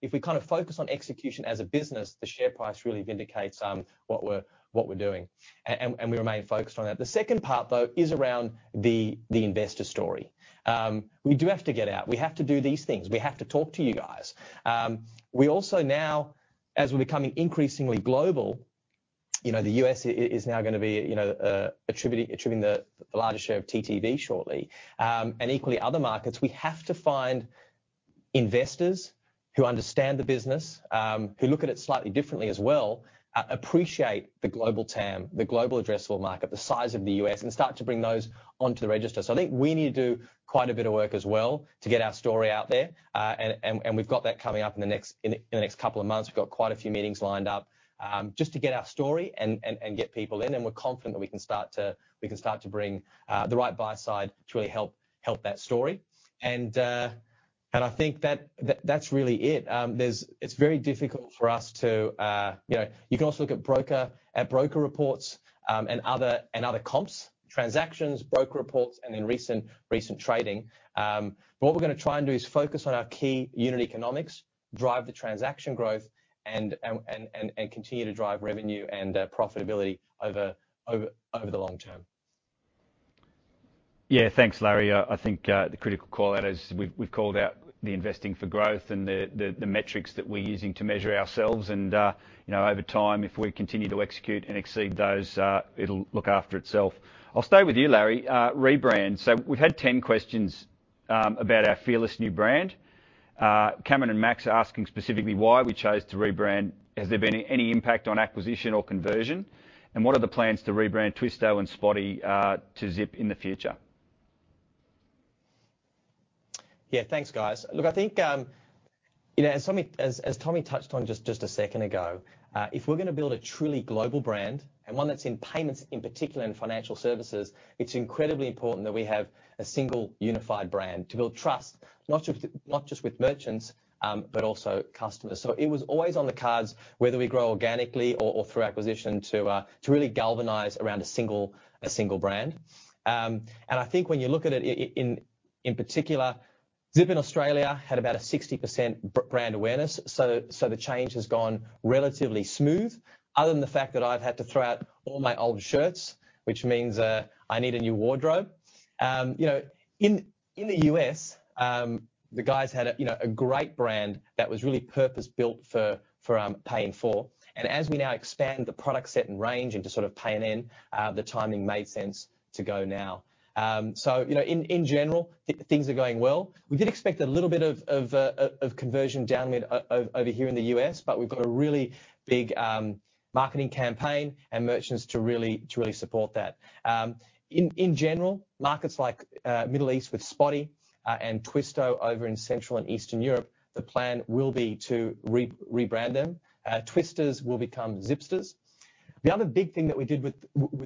If we focus on execution as a business, the share price really vindicates what we're doing, and we remain focused on that. The second part, though, is around the investor story. We do have to get out. We have to do these things. We have to talk to you guys. We also now, as we're becoming increasingly global, the U.S. is now going to be attributing the largest share of TTV shortly. Equally other markets, we have to find investors who understand the business, who look at it slightly differently as well, appreciate the global TAM, the global addressable market, the size of the U.S., and start to bring those onto the register. I think we need to do quite a bit of work as well to get our story out there. We've got that coming up in the next couple of months. We've got quite a few meetings lined up, just to get our story and get people in, and we're confident that we can start to bring the right buy side to really help that story. I think that's really it. You can also look at broker reports, and other comps, transactions, broker reports, and in recent trading. What we're going to try and do is focus on our key unit economics, drive the transaction growth, and continue to drive revenue and profitability over the long term. Yeah, thanks, Larry. I think the critical call out is we've called out the investing for growth and the metrics that we're using to measure ourselves. Over time, if we continue to execute and exceed those, it'll look after itself. I'll stay with you, Larry. Rebrand. We've had 10 questions about our fearless new brand. Cameron and Max are asking specifically why we chose to rebrand. Has there been any impact on acquisition or conversion? What are the plans to rebrand Twisto and Spotii to Zip in the future? Yeah, thanks, guys. Look, I think, as Tommy touched on just a second ago, if we're going to build a truly global brand, and one that's in payments, in particular in financial services, it's incredibly important that we have a single unified brand to build trust, not just with merchants, but also customers. It was always on the cards, whether we grow organically or through acquisition, to really galvanize around a single brand. I think when you look at it in particular, Zip Co in Australia had about a 60% brand awareness. The change has gone relatively smooth, other than the fact that I've had to throw out all my old shirts, which means I need a new wardrobe. In the U.S., the guys had a great brand that was really purpose-built for pay in full, as we now expand the product set and range into pay in four, the timing made sense to go now. In general, things are going well. We did expect a little bit of conversion down over here in the U.S., but we've got a really big marketing campaign and merchants to really support that. In general, markets like Middle East with Spotii and Twisto over in Central and Eastern Europe, the plan will be to rebrand them. Twisters will become Zipsters. The other big thing that we did with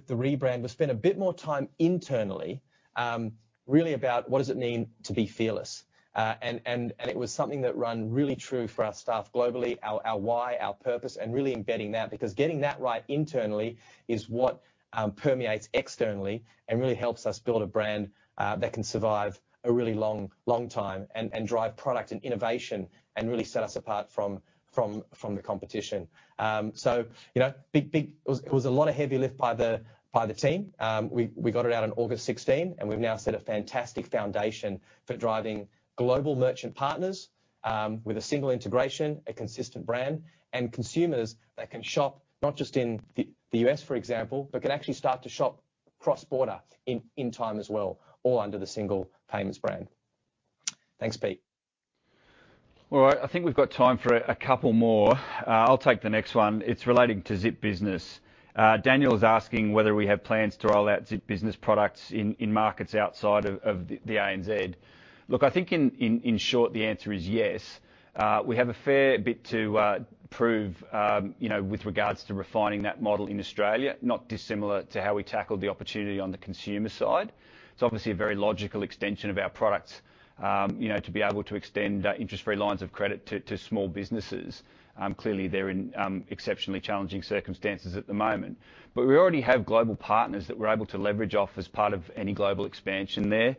the rebrand was spend a bit more time internally, really about what does it mean to be fearless. It was something that ran really true for our staff globally, our why, our purpose, and really embedding that. Getting that right internally is what permeates externally and really helps us build a brand that can survive a really long time and drive product and innovation and really set us apart from the competition. It was a lot of heavy lift by the team. We got it out on August 16th. We've now set a fantastic foundation for driving global merchant partners with a single integration, a consistent brand, and consumers that can shop not just in the U.S., for example, but can actually start to shop cross-border in time as well, all under the single payments brand. Thanks, Pete. All right. I think we've got time for a couple more. I'll take the next one. It's relating to Zip Business. Daniel is asking whether we have plans to roll out Zip Business products in markets outside of the ANZ. Look, I think in short, the answer is yes. We have a fair bit to prove with regards to refining that model in Australia, not dissimilar to how we tackled the opportunity on the consumer side. It's obviously a very logical extension of our products, to be able to extend interest-free lines of credit to small businesses. Clearly, they're in exceptionally challenging circumstances at the moment. We already have global partners that we're able to leverage off as part of any global expansion there.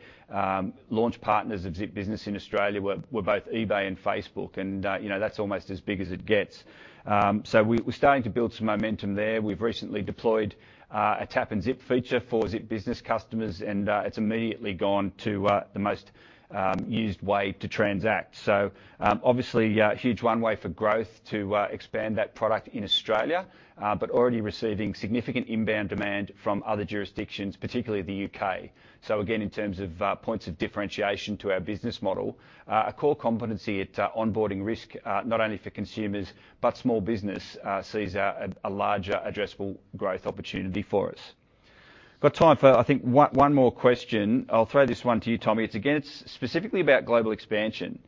Launch partners of Zip Business in Australia were both eBay and Facebook, and that's almost as big as it gets. We're starting to build some momentum there. We've recently deployed a Tap and Zip feature for Zip Business customers, and it's immediately gone to the most used way to transact. Obviously, a huge runway for growth to expand that product in Australia, but already receiving significant inbound demand from other jurisdictions, particularly the U.K. Again, in terms of points of differentiation to our business model, a core competency at onboarding risk, not only for consumers, but small business, sees a larger addressable growth opportunity for us. Got time for, I think, one more question. I'll throw this one to you, Tommy. It's again, it's specifically about global expansion.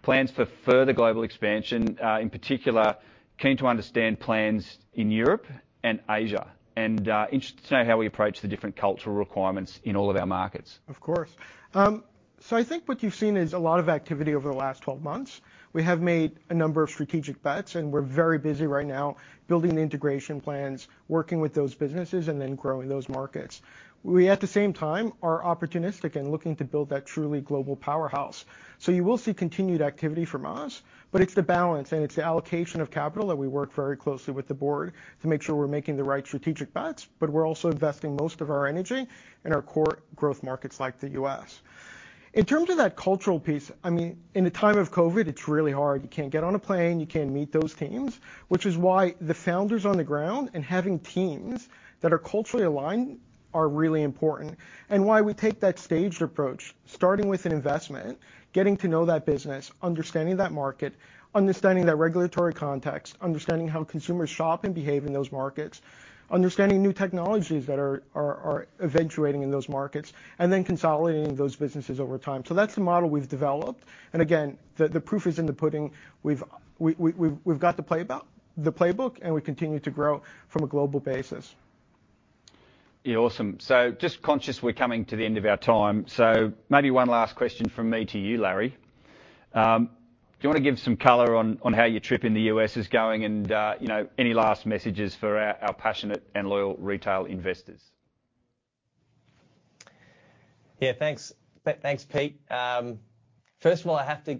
Plans for further global expansion. In particular, keen to understand plans in Europe and Asia, and interested to know how we approach the different cultural requirements in all of our markets. Of course. I think what you've seen is a lot of activity over the last 12 months. We have made a number of strategic bets, and we're very busy right now building the integration plans, working with those businesses, and then growing those markets. We, at the same time, are opportunistic and looking to build that truly global powerhouse. You will see continued activity from us, but it's the balance and it's the allocation of capital that we work very closely with the board to make sure we're making the right strategic bets. We're also investing most of our energy in our core growth markets like the U.S. In terms of that cultural piece, in the time of COVID, it's really hard. You can't get on a plane, you can't meet those teams, which is why the founders on the ground and having teams that are culturally aligned are really important, and why we take that staged approach, starting with an investment, getting to know that business, understanding that market, understanding that regulatory context, understanding how consumers shop and behave in those markets, understanding new technologies that are eventuating in those markets, and then consolidating those businesses over time. That's the model we've developed. Again, the proof is in the pudding. We've got the playbook, and we continue to grow from a global basis. Yeah. Awesome. Just conscious we're coming to the end of our time. Maybe one last question from me to you, Larry. Do you want to give some color on how your trip in the U.S. is going and, any last messages for our passionate and loyal retail investors? Thanks. Thanks, Peter. First of all, I have to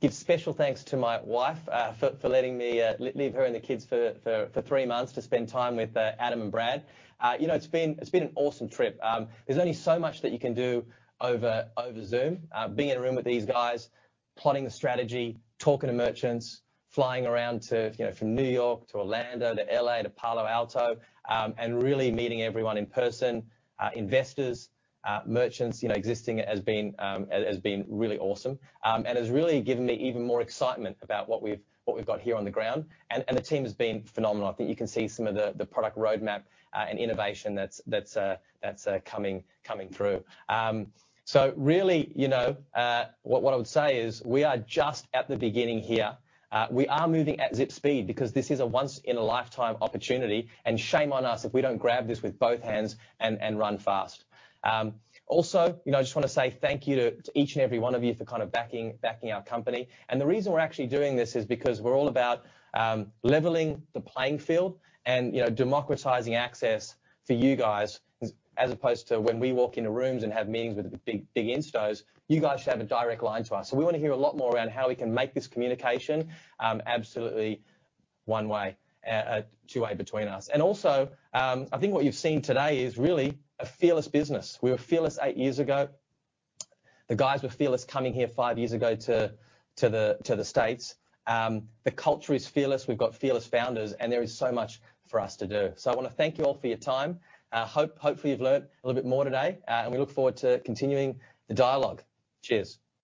give special thanks to my wife, for letting me leave her and the kids for three months to spend time with Adam and Brad. It's been an awesome trip. There's only so much that you can do over Zoom. Being in a room with these guys, plotting the strategy, talking to merchants, flying around from New York to Orlando to L.A. to Palo Alto, and really meeting everyone in person, investors, merchants, existing, has been really awesome. Has really given me even more excitement about what we've got here on the ground. The team has been phenomenal. I think you can see some of the product roadmap and innovation that's coming through. Really, what I would say is we are just at the beginning here. We are moving at Zip speed because this is a once-in-a-lifetime opportunity. Shame on us if we don't grab this with both hands and run fast. Also, just want to say thank you to each and every one of you for backing our company. The reason we're actually doing this is because we're all about leveling the playing field and democratizing access for you guys, as opposed to when we walk into rooms and have meetings with big instos, you guys should have a direct line to us. We want to hear a lot more around how we can make this communication absolutely two-way between us. Also, I think what you've seen today is really a fearless business. We were fearless eight years ago. The guys were fearless coming here five years ago to the U.S. The culture is fearless. We've got fearless founders, and there is so much for us to do. I want to thank you all for your time. Hopefully, you've learned a little bit more today, and we look forward to continuing the dialogue. Cheers